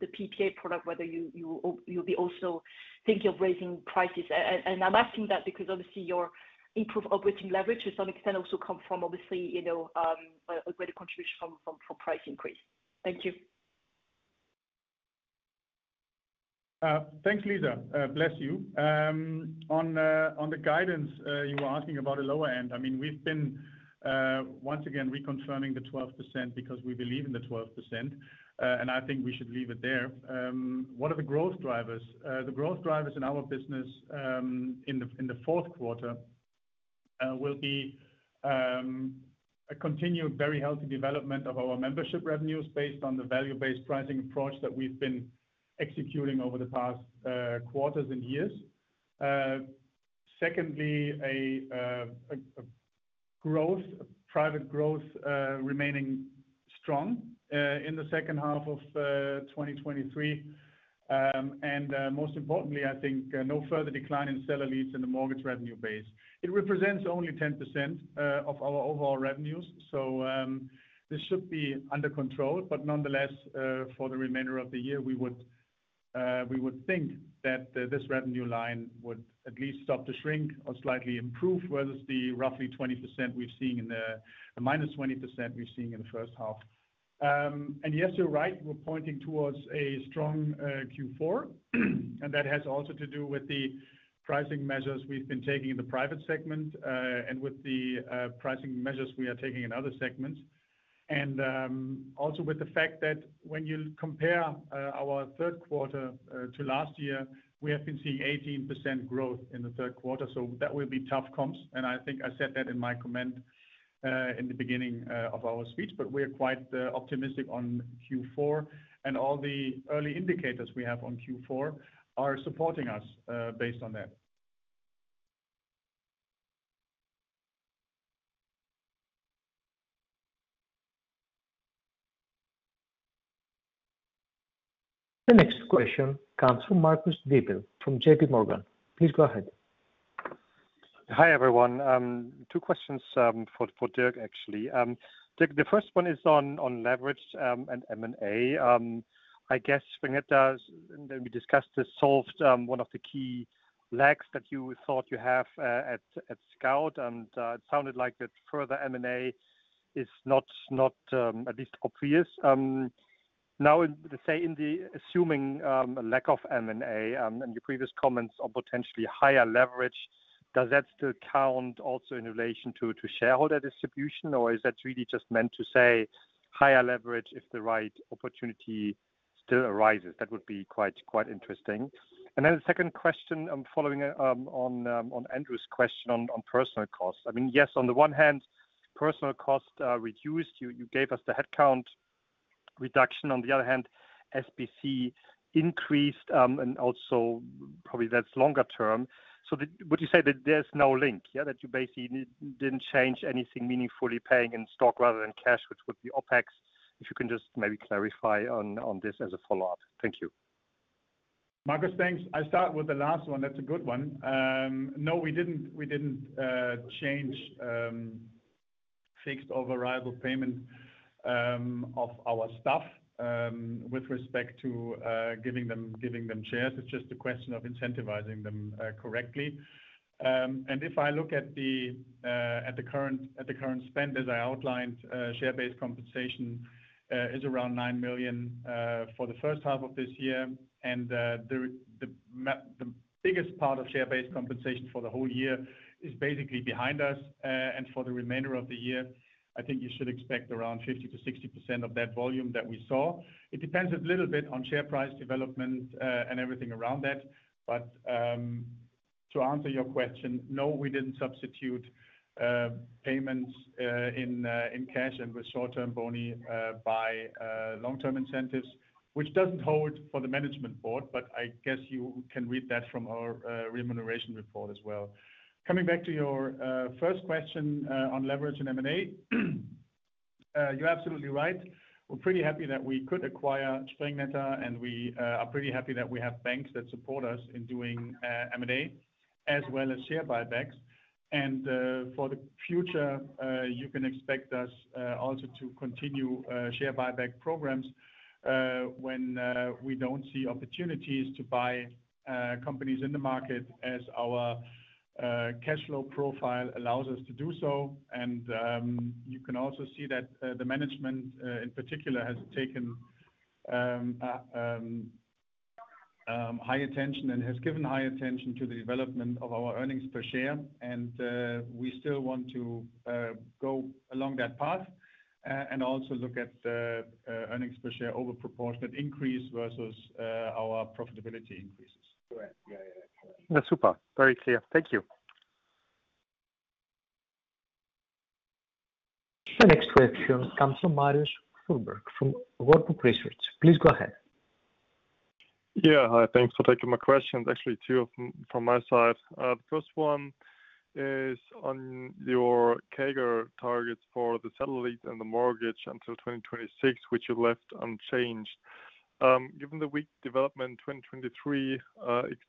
the PPA product, whether you'll be also thinking of raising prices. I'm asking that because obviously your improved operating leverage to some extent, also come from obviously, you know, a greater contribution from price increase. Thank you. Thanks, Lisa. Bless you. On the, on the guidance, you were asking about the lower end. I mean, we've been once again reconfirming the 12% because we believe in the 12%. I think we should leave it there. What are the growth drivers? The growth drivers in our business in the fourth quarter will be a continued very healthy development of our membership revenues based on the value-based pricing approach that we've been executing over the past quarters and years. Secondly, a, a growth, private growth, remaining strong in the second half of 2023. Most importantly, I think no further decline in seller leads in the mortgage revenue base. It represents only 10% of our overall revenues, so this should be under control. Nonetheless, for the remainder of the year, we would, we would think that the, this revenue line would at least stop the shrink or slightly improve, whether it's the roughly 20% we've seen in the, a -20% we've seen in the first half. Yes, you're right, we're pointing towards a strong Q4. That has also to do with the pricing measures we've been taking in the private segment, and with the pricing measures we are taking in other segments. Also with the fact that when you compare our third quarter to last year, we have been seeing 18% growth in the third quarter, so that will be tough comps. I think I said that in my comment, in the beginning, of our speech. We are quite optimistic on Q4 and all the early indicators we have on Q4 are supporting us, based on that. The next question comes from Marcus Diebel, from JPMorgan. Please go ahead. Hi, everyone. Two questions for Dirk, actually. Dirk, the first one is on, on leverage, and M&A. I guess when it does, and we discussed this, solved, one of the key lags that you thought you have at, at Scout. It sounded like that further M&A is not, not, at least obvious. Now, in the say, in the assuming, lack of M&A, and your previous comments on potentially higher leverage, does that still count also in relation to, to shareholder distribution, or is that really just meant to say higher leverage if the right opportunity still arises? That would be quite, quite interesting. Then the second question, I'm following up on, on Andrew's question on, on personnel costs. I mean, yes, on the one hand, personnel costs are reduced. You, you gave us the headcount reduction. On the other hand, SBC increased, and also probably that's longer term. Would you say that there's no link, yeah, that you basically didn't change anything meaningfully, paying in stock rather than cash, which would be OpEx? If you can just maybe clarify on, on this as a follow-up. Thank you. Marcus, thanks. I'll start with the last one. That's a good one. No, we didn't, we didn't change fixed over variable payment of our staff with respect to giving them, giving them shares. It's just a question of incentivizing them correctly. If I look at the current, at the current spend, as I outlined, share-based compensation is around 9 million for the first half of this year. The biggest part of share-based compensation for the whole year is basically behind us. For the remainder of the year, I think you should expect around 50%-60% of that volume that we saw. It depends a little bit on share price development and everything around that. To answer your question, no, we didn't substitute payments in cash and with short-term bonus by long-term incentives, which doesn't hold for the management board, but I guess you can read that from our remuneration report as well. Coming back to your first question on leverage and M&A. You're absolutely right. We're pretty happy that we could acquire Sprengnetter, and we are pretty happy that we have banks that support us in doing M&A, as well as share buybacks. For the future, you can expect us also to continue share buyback programs when we don't see opportunities to buy companies in the market as our cash flow profile allows us to do so. You can also see that the management in particular has taken high attention and has given high attention to the development of our earnings per share. We still want to go along that path and also look at the earnings per share overproportionate increase versus our profitability increases. Correct. Yeah, yeah, correct. That's super, very clear. Thank you. The next question comes from Marius Fuhrberg, from Warburg Research. Please go ahead. Yeah, hi. Thanks for taking my question. Actually, two of them from my side. The first one is on your CAGR targets for the satellites and the mortgage until 2026, which you left unchanged. Given the weak development in 2023,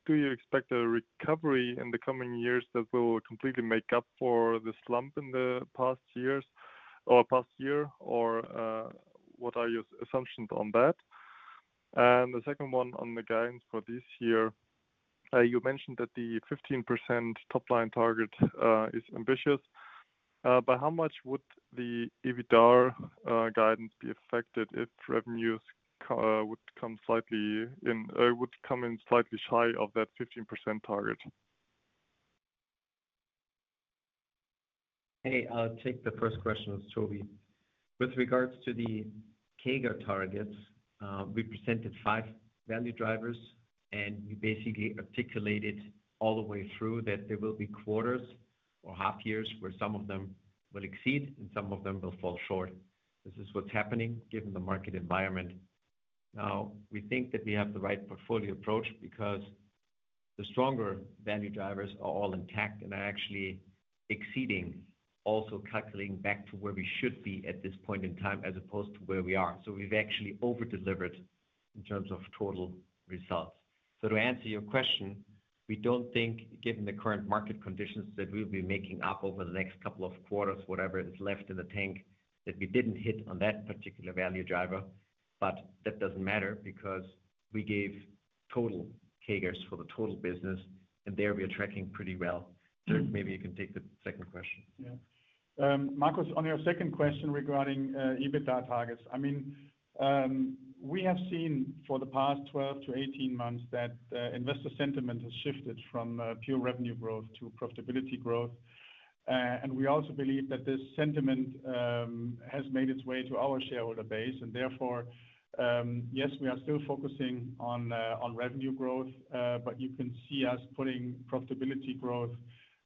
do you expect a recovery in the coming years that will completely make up for the slump in the past years or past year? What are your assumptions on that? The second one on the guidance for this year. You mentioned that the 15% top-line target is ambitious, but how much would the EBITDA guidance be affected if revenues would come in slightly shy of that 15% target? Hey, I'll take the first question with Toby. With regards to the CAGR targets, we presented five value drivers, and we basically articulated all the way through that there will be quarters or half years where some of them will exceed and some of them will fall short. This is what's happening given the market environment. Now, we think that we have the right portfolio approach because the stronger value drivers are all intact and are actually exceeding, also calculating back to where we should be at this point in time as opposed to where we are. We've actually over-delivered in terms of total results. To answer your question, we don't think, given the current market conditions, that we'll be making up over the next couple of quarters, whatever is left in the tank, that we didn't hit on that particular value driver. That doesn't matter because we gave total CAGRs for the total business, and there we are tracking pretty well. Dirk, maybe you can take the second question. Yeah. Marcus, on your second question regarding EBITDA targets, we have seen for the past 12 to 18 months that investor sentiment has shifted from pure revenue growth to profitability growth. We also believe that this sentiment has made its way to our shareholder base, therefore, yes, we are still focusing on revenue growth, but you can see us putting profitability growth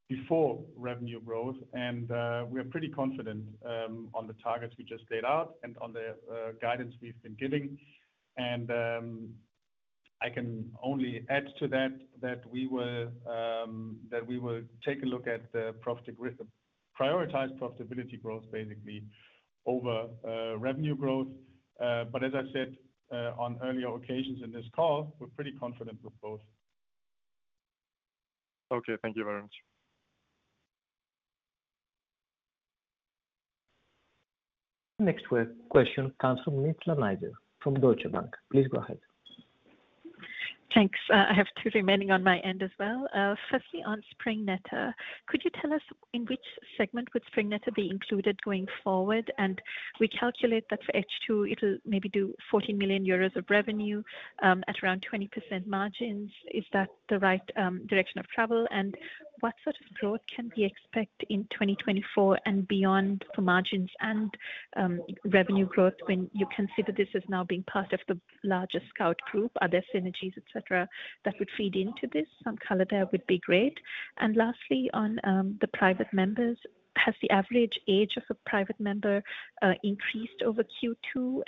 before revenue growth. We are pretty confident on the targets we just laid out and on the guidance we've been giving. I can only add to that, that we will that we will take a look at the prioritize profitability growth, basically, over revenue growth. As I said, on earlier occasions in this call, we're pretty confident with both. Okay, thank you very much. Next question comes from Nizla Naizer from Deutsche Bank. Please go ahead. Thanks. I have two remaining on my end as well. Firstly, on Sprengnetter, could you tell us in which segment would Sprengnetter be included going forward? We calculate that for H2, it'll maybe do 40 million euros of revenue, at around 20% margins. Is that the right direction of travel? What sort of growth can we expect in 2024 and beyond for margins and revenue growth when you consider this as now being part of the larger Scout Group? Are there synergies, et cetera, that would feed into this? Some color there would be great. Lastly, on the private members, has the average age of a private member increased over Q2?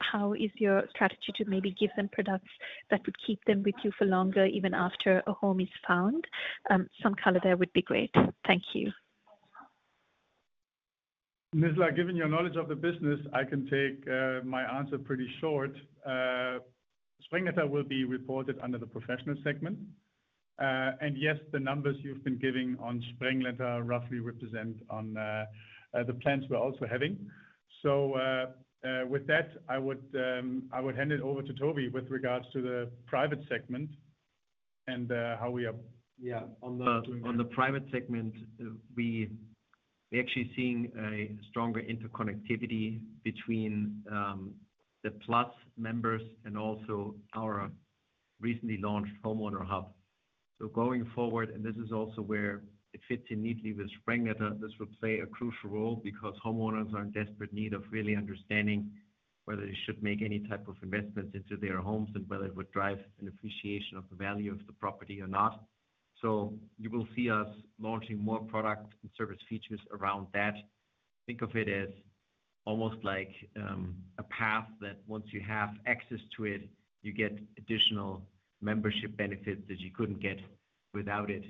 How is your strategy to maybe give them products that would keep them with you for longer, even after a home is found? Some color there would be great. Thank you. Nizla, given your knowledge of the business, I can take my answer pretty short. Sprengnetter will be reported under the professional segment. Yes, the numbers you've been giving on Sprengnetter roughly represent on the plans we're also having. With that, I would I would hand it over to Toby with regards to the private segment and how we are. Yeah, on the, on the private segment, we, we're actually seeing a stronger interconnectivity between the Plus members and also our recently launched Homeowner Hub. Going forward, and this is also where it fits in neatly with Sprengnetter, this will play a crucial role because homeowners are in desperate need of really understanding whether they should make any type of investments into their homes and whether it would drive an appreciation of the value of the property or not. You will see us launching more product and service features around that. Think of it as almost like a path that once you have access to it, you get additional membership benefits that you couldn't get without it.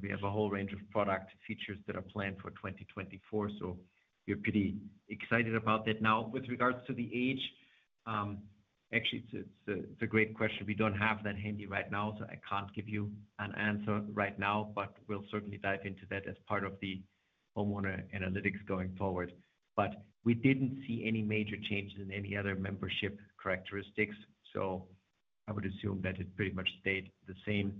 We have a whole range of product features that are planned for 2024. We're pretty excited about that. Now, with regards to the age, actually, it's a, it's a great question. We don't have that handy right now, so I can't give you an answer right now, but we'll certainly dive into that as part of the homeowner analytics going forward. But we didn't see any major changes in any other membership characteristics, so I would assume that it pretty much stayed the same.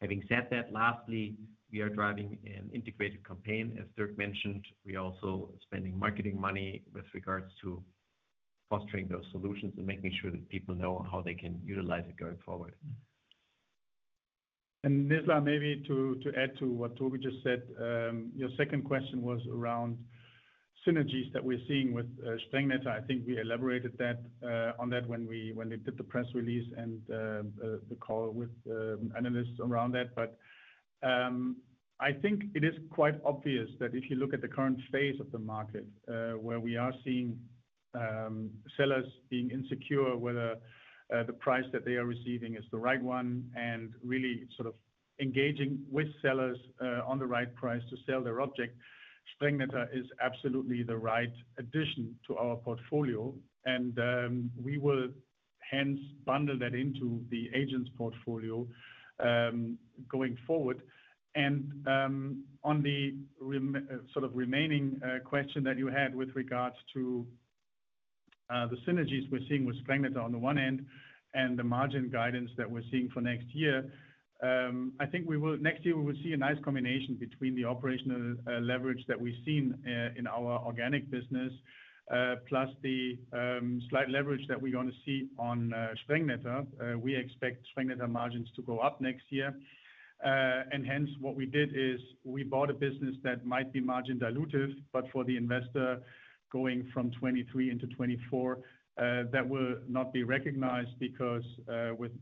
Having said that, lastly, we are driving an integrated campaign. As Dirk mentioned, we're also spending marketing money with regards to fostering those solutions and making sure that people know how they can utilize it going forward. Nizla, maybe to, to add to what Toby just said, your second question was around synergies that we're seeing with Sprengnetter. I think we elaborated that on that when we, when we did the press release and the call with analysts around that. I think it is quite obvious that if you look at the current phase of the market, where we are seeing sellers being insecure, whether the price that they are receiving is the right one, and really sort of engaging with sellers on the right price to sell their object, Sprengnetter is absolutely the right addition to our portfolio. We will hence bundle that into the agents portfolio going forward. And sort of remaining question that you had with regards to the synergies we're seeing with Sprengnetter on the one end, and the margin guidance that we're seeing for next year, I think we will, next year, we will see a nice combination between the operational leverage that we've seen in our organic business, plus the slight leverage that we're going to see on Sprengnetter. We expect Sprengnetter margins to go up next year. And hence, what we did is we bought a business that might be margin-dilutive, but for the investor, going from 2023 into 2024, that will not be recognized because with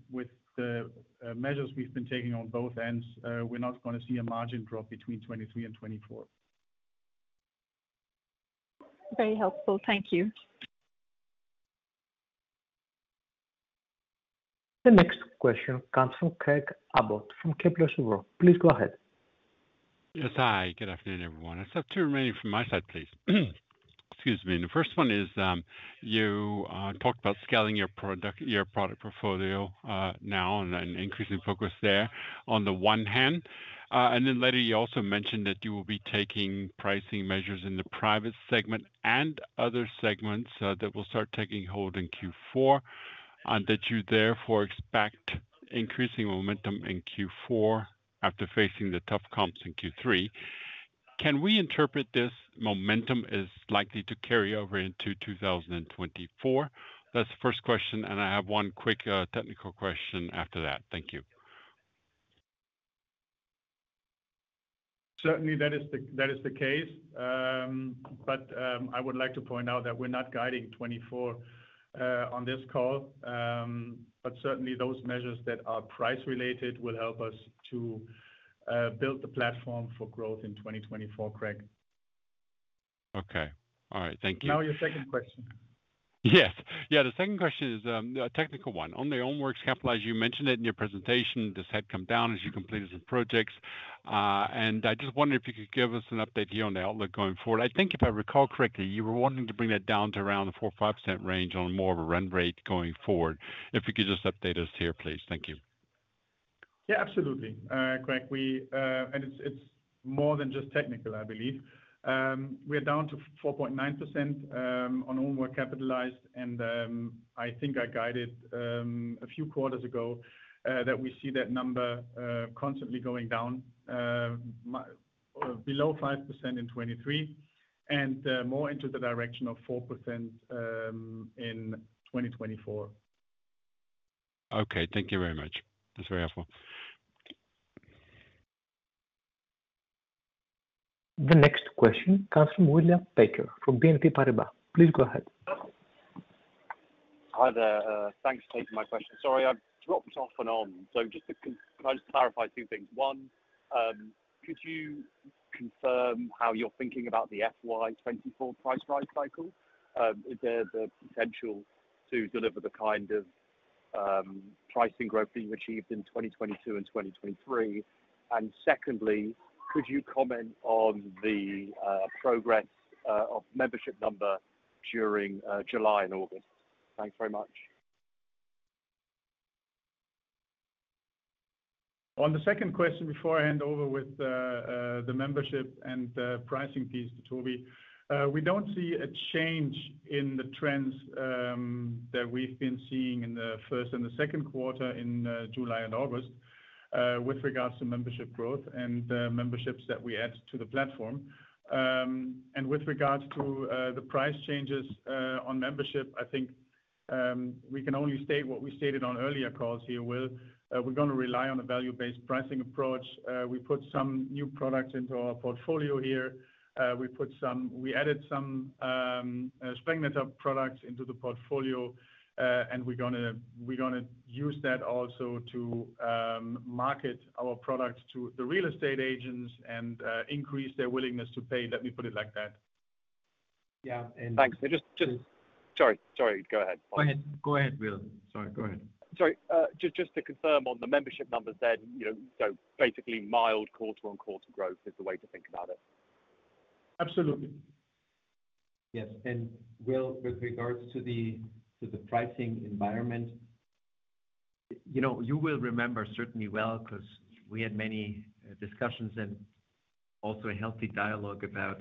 the measures we've been taking on both ends, we're not going to see a margin drop between 2023 and 2024. Very helpful. Thank you. The next question comes from Craig Abbott, from Kepler Cheuvreux. Please go ahead. Yes. Hi, good afternoon, everyone. I just have two remaining from my side, please. Excuse me. The first one is, you talked about scaling your product, your product portfolio, now and an increasing focus there on the one hand. Then later, you also mentioned that you will be taking pricing measures in the private segment and other segments that will start taking hold in Q4, and that you therefore expect increasing momentum in Q4 after facing the tough comps in Q3. Can we interpret this momentum is likely to carry over into 2024? That's the first question, and I have one quick technical question after that. Thank you. Certainly, that is the, that is the case. I would like to point out that we're not guiding 2024, on this call. Certainly, those measures that are price related will help us to build the platform for growth in 2024, Craig. Okay. All right. Thank you. Now, your second question. Yes. Yeah, the second question is a technical one. On the own work capitalized, as you mentioned it in your presentation, this had come down as you completed some projects. I just wondered if you could give us an update here on the outlook going forward. I think if I recall correctly, you were wanting to bring that down to around the 4% or 5% range on more of a run-rate going forward. If you could just update us here, please. Thank you. Yeah, absolutely. Craig, It's, it's more than just technical, I believe. We're down to 4.9% on own work capitalized, and I think I guided a few quarters ago that we see that number constantly going down below 5% in 2023, and more into the direction of 4% in 2024. Okay. Thank you very much. That's very helpful. The next question comes from William Baker, from BNP Paribas. Please go ahead. Hi there, thanks for taking my question. Sorry, I've dropped off and on, so just to can I just clarify two things? One, could you confirm how you're thinking about the FY 2024 price rise cycle? Is there the potential to deliver the kind of pricing growth being achieved in 2022 and 2023? Secondly, could you comment on the progress of membership number during July and August? Thanks very much. On the second question before I hand over with the membership and the pricing piece to Tobi, we don't see a change in the trends that we've been seeing in the first and second quarter in July and August, with regards to membership growth and the memberships that we add to the platform. With regards to the price changes on membership, I think, we can only state what we stated on earlier calls here, Will. We're gonna rely on a value-based pricing approach. We put some new products into our portfolio here. We added some Sprengnetter products into the portfolio, and we're gonna, we're gonna use that also to market our products to the real estate agents and increase their willingness to pay. Let me put it like that. Yeah. Thanks. Just. Sorry. Go ahead. Go ahead. Go ahead, Will. Sorry, go ahead. Sorry, just, just to confirm on the membership numbers then, you know, so basically, mild quarter-on-quarter growth is the way to think about it? Absolutely. Yes, Will, with regards to the, to the pricing environment, you know, you will remember certainly well, 'cause we had many discussions and also a healthy dialogue about,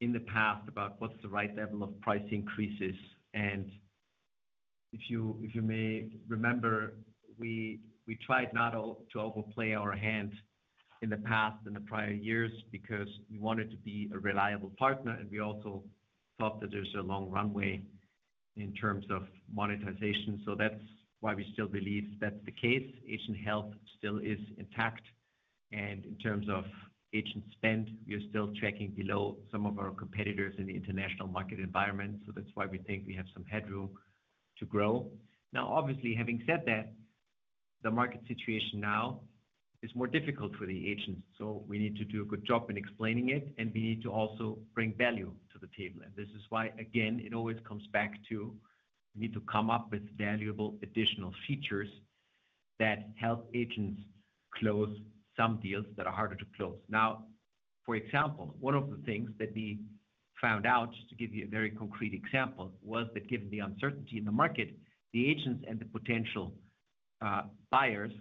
in the past, about what's the right level of price increases. If you, if you may remember, we, we tried to overplay our hand in the past, in the prior years, because we wanted to be a reliable partner, and we also thought that there's a long runway in terms of monetization. That's why we still believe that's the case. Agent health still is intact, and in terms of agent spend, we are still tracking below some of our competitors in the international market environment. That's why we think we have some headroom to grow. Obviously, having said that, the market situation now is more difficult for the agents, so we need to do a good job in explaining it, and we need to also bring value to the table. This is why, again, it always comes back to, we need to come up with valuable additional features that help agents close some deals that are harder to close. For example, one of the things that we found out, just to give you a very concrete example, was that given the uncertainty in the market, the agents and the potential buyers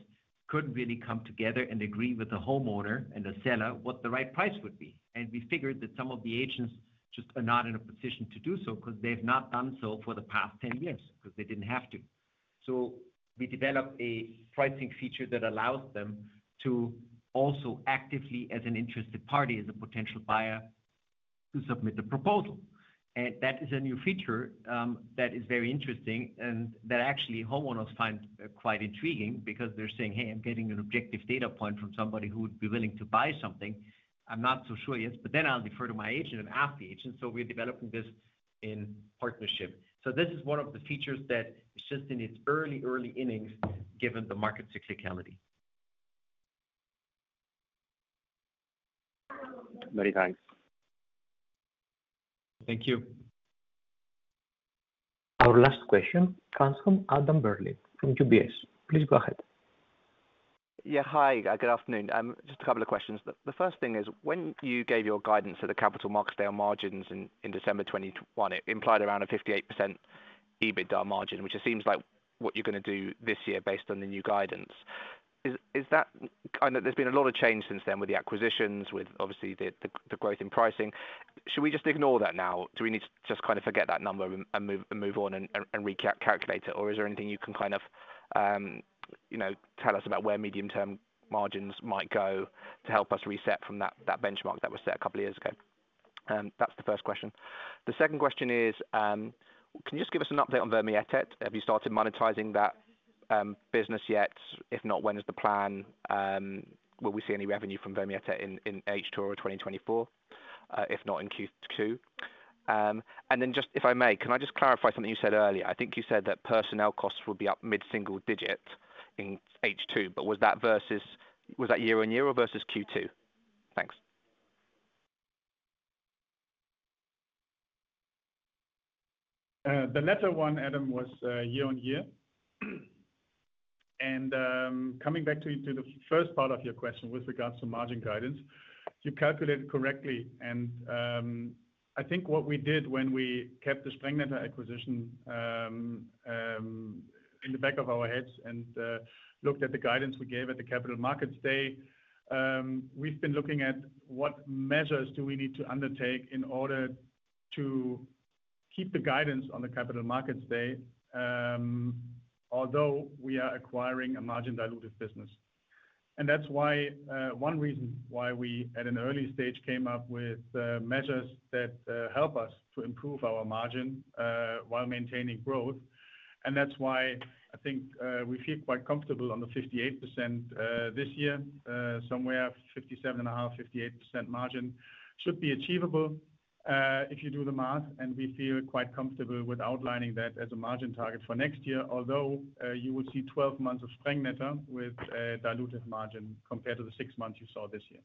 couldn't really come together and agree with the homeowner and the seller what the right price would be. We figured that some of the agents just are not in a position to do so, 'cause they've not done so for the past 10 years, 'cause they didn't have to. We developed a pricing feature that allows them to also actively, as an interested party, as a potential buyer, to submit a proposal. That is a new feature that is very interesting and that actually homeowners find quite intriguing because they're saying, "Hey, I'm getting an objective data point from somebody who would be willing to buy something. I'm not so sure yet, but then I'll defer to my agent and ask the agent." We're developing this in partnership. This is one of the features that is just in its early, early innings, given the market cyclicality. Very nice. Thank you. Our last question comes from Adam Berlin from UBS. Please go ahead. Yeah, hi. Good afternoon. Just a couple of questions. The first thing is, when you gave your guidance for the Capital Markets Day on margins in December 2021, it implied around a 58% EBITDA margin, which it seems like what you're gonna do this year based on the new guidance. There's been a lot of change since then with the acquisitions, with obviously the growth in pricing. Should we just ignore that now? Do we need to just kind of forget that number and move on and recalculate it? Is there anything you can kind of, you know, tell us about where medium-term margins might go to help us reset from that benchmark that was set a couple of years ago? That's the first question. The second question is, can you just give us an update on Vermietet.de? Have you started monetizing that business yet? If not, when is the plan? Will we see any revenue from Vermietet.de in, in H2 or 2024, if not in Q2? Just if I may, can I just clarify something you said earlier? I think you said that personnel costs would be up mid-single-digit in H2, but was that versus. Was that year-on-year or versus Q2? Thanks. The latter one, Adam, was year-over-year. Coming back to the first part of your question with regards to margin guidance, you calculated correctly. I think what we did when we kept the Sprengnetter acquisition in the back of our heads and looked at the guidance we gave at the Capital Markets Day, we've been looking at what measures do we need to undertake in order to keep the guidance on the Capital Markets Day, although we are acquiring a margin-dilutive business. That's why one reason why we, at an early stage, came up with measures that help us to improve our margin while maintaining growth. That's why I think we feel quite comfortable on the 58% this year. Somewhere 57.5%, 58% margin should be achievable, if you do the math, and we feel quite comfortable with outlining that as a margin target for next year. Although, you will see 12 months of Sprengnetter with a dilutive margin, compared to the six months you saw this year.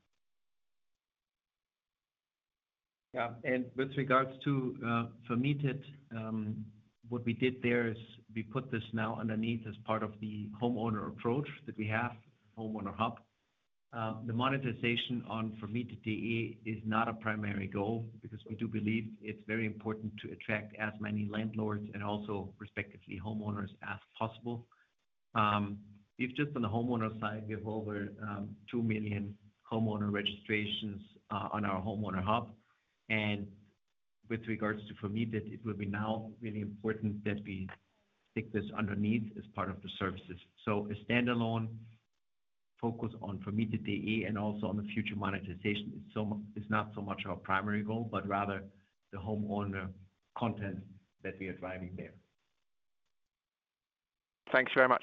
Yeah, with regards to Vermietet.de, what we did there is we put this now underneath as part of the homeowner approach that we have, Homeowner Hub. The monetization on Vermietet.de is not a primary goal because we do believe it's very important to attract as many landlords and also respectively homeowners, as possible. If just on the homeowner side, we have over 2 million homeowner registrations on our Homeowner Hub. With regards to Vermietet.de, it will be now really important that we stick this underneath as part of the services. A standalone focus on Vermietet.de and also on the future monetization is so, is not so much our primary goal, but rather the homeowner content that we are driving there. Thanks very much.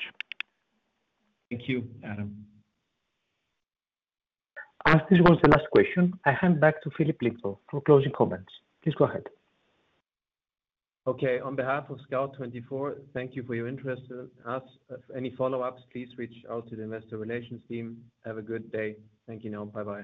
Thank you, Adam. As this was the last question, I hand back to Filip Lindvall for closing comments. Please go ahead. Okay, on behalf of Scout24, thank you for your interest in us. Any follow-ups, please reach out to the investor relations team. Have a good day. Thank you now. Bye-bye.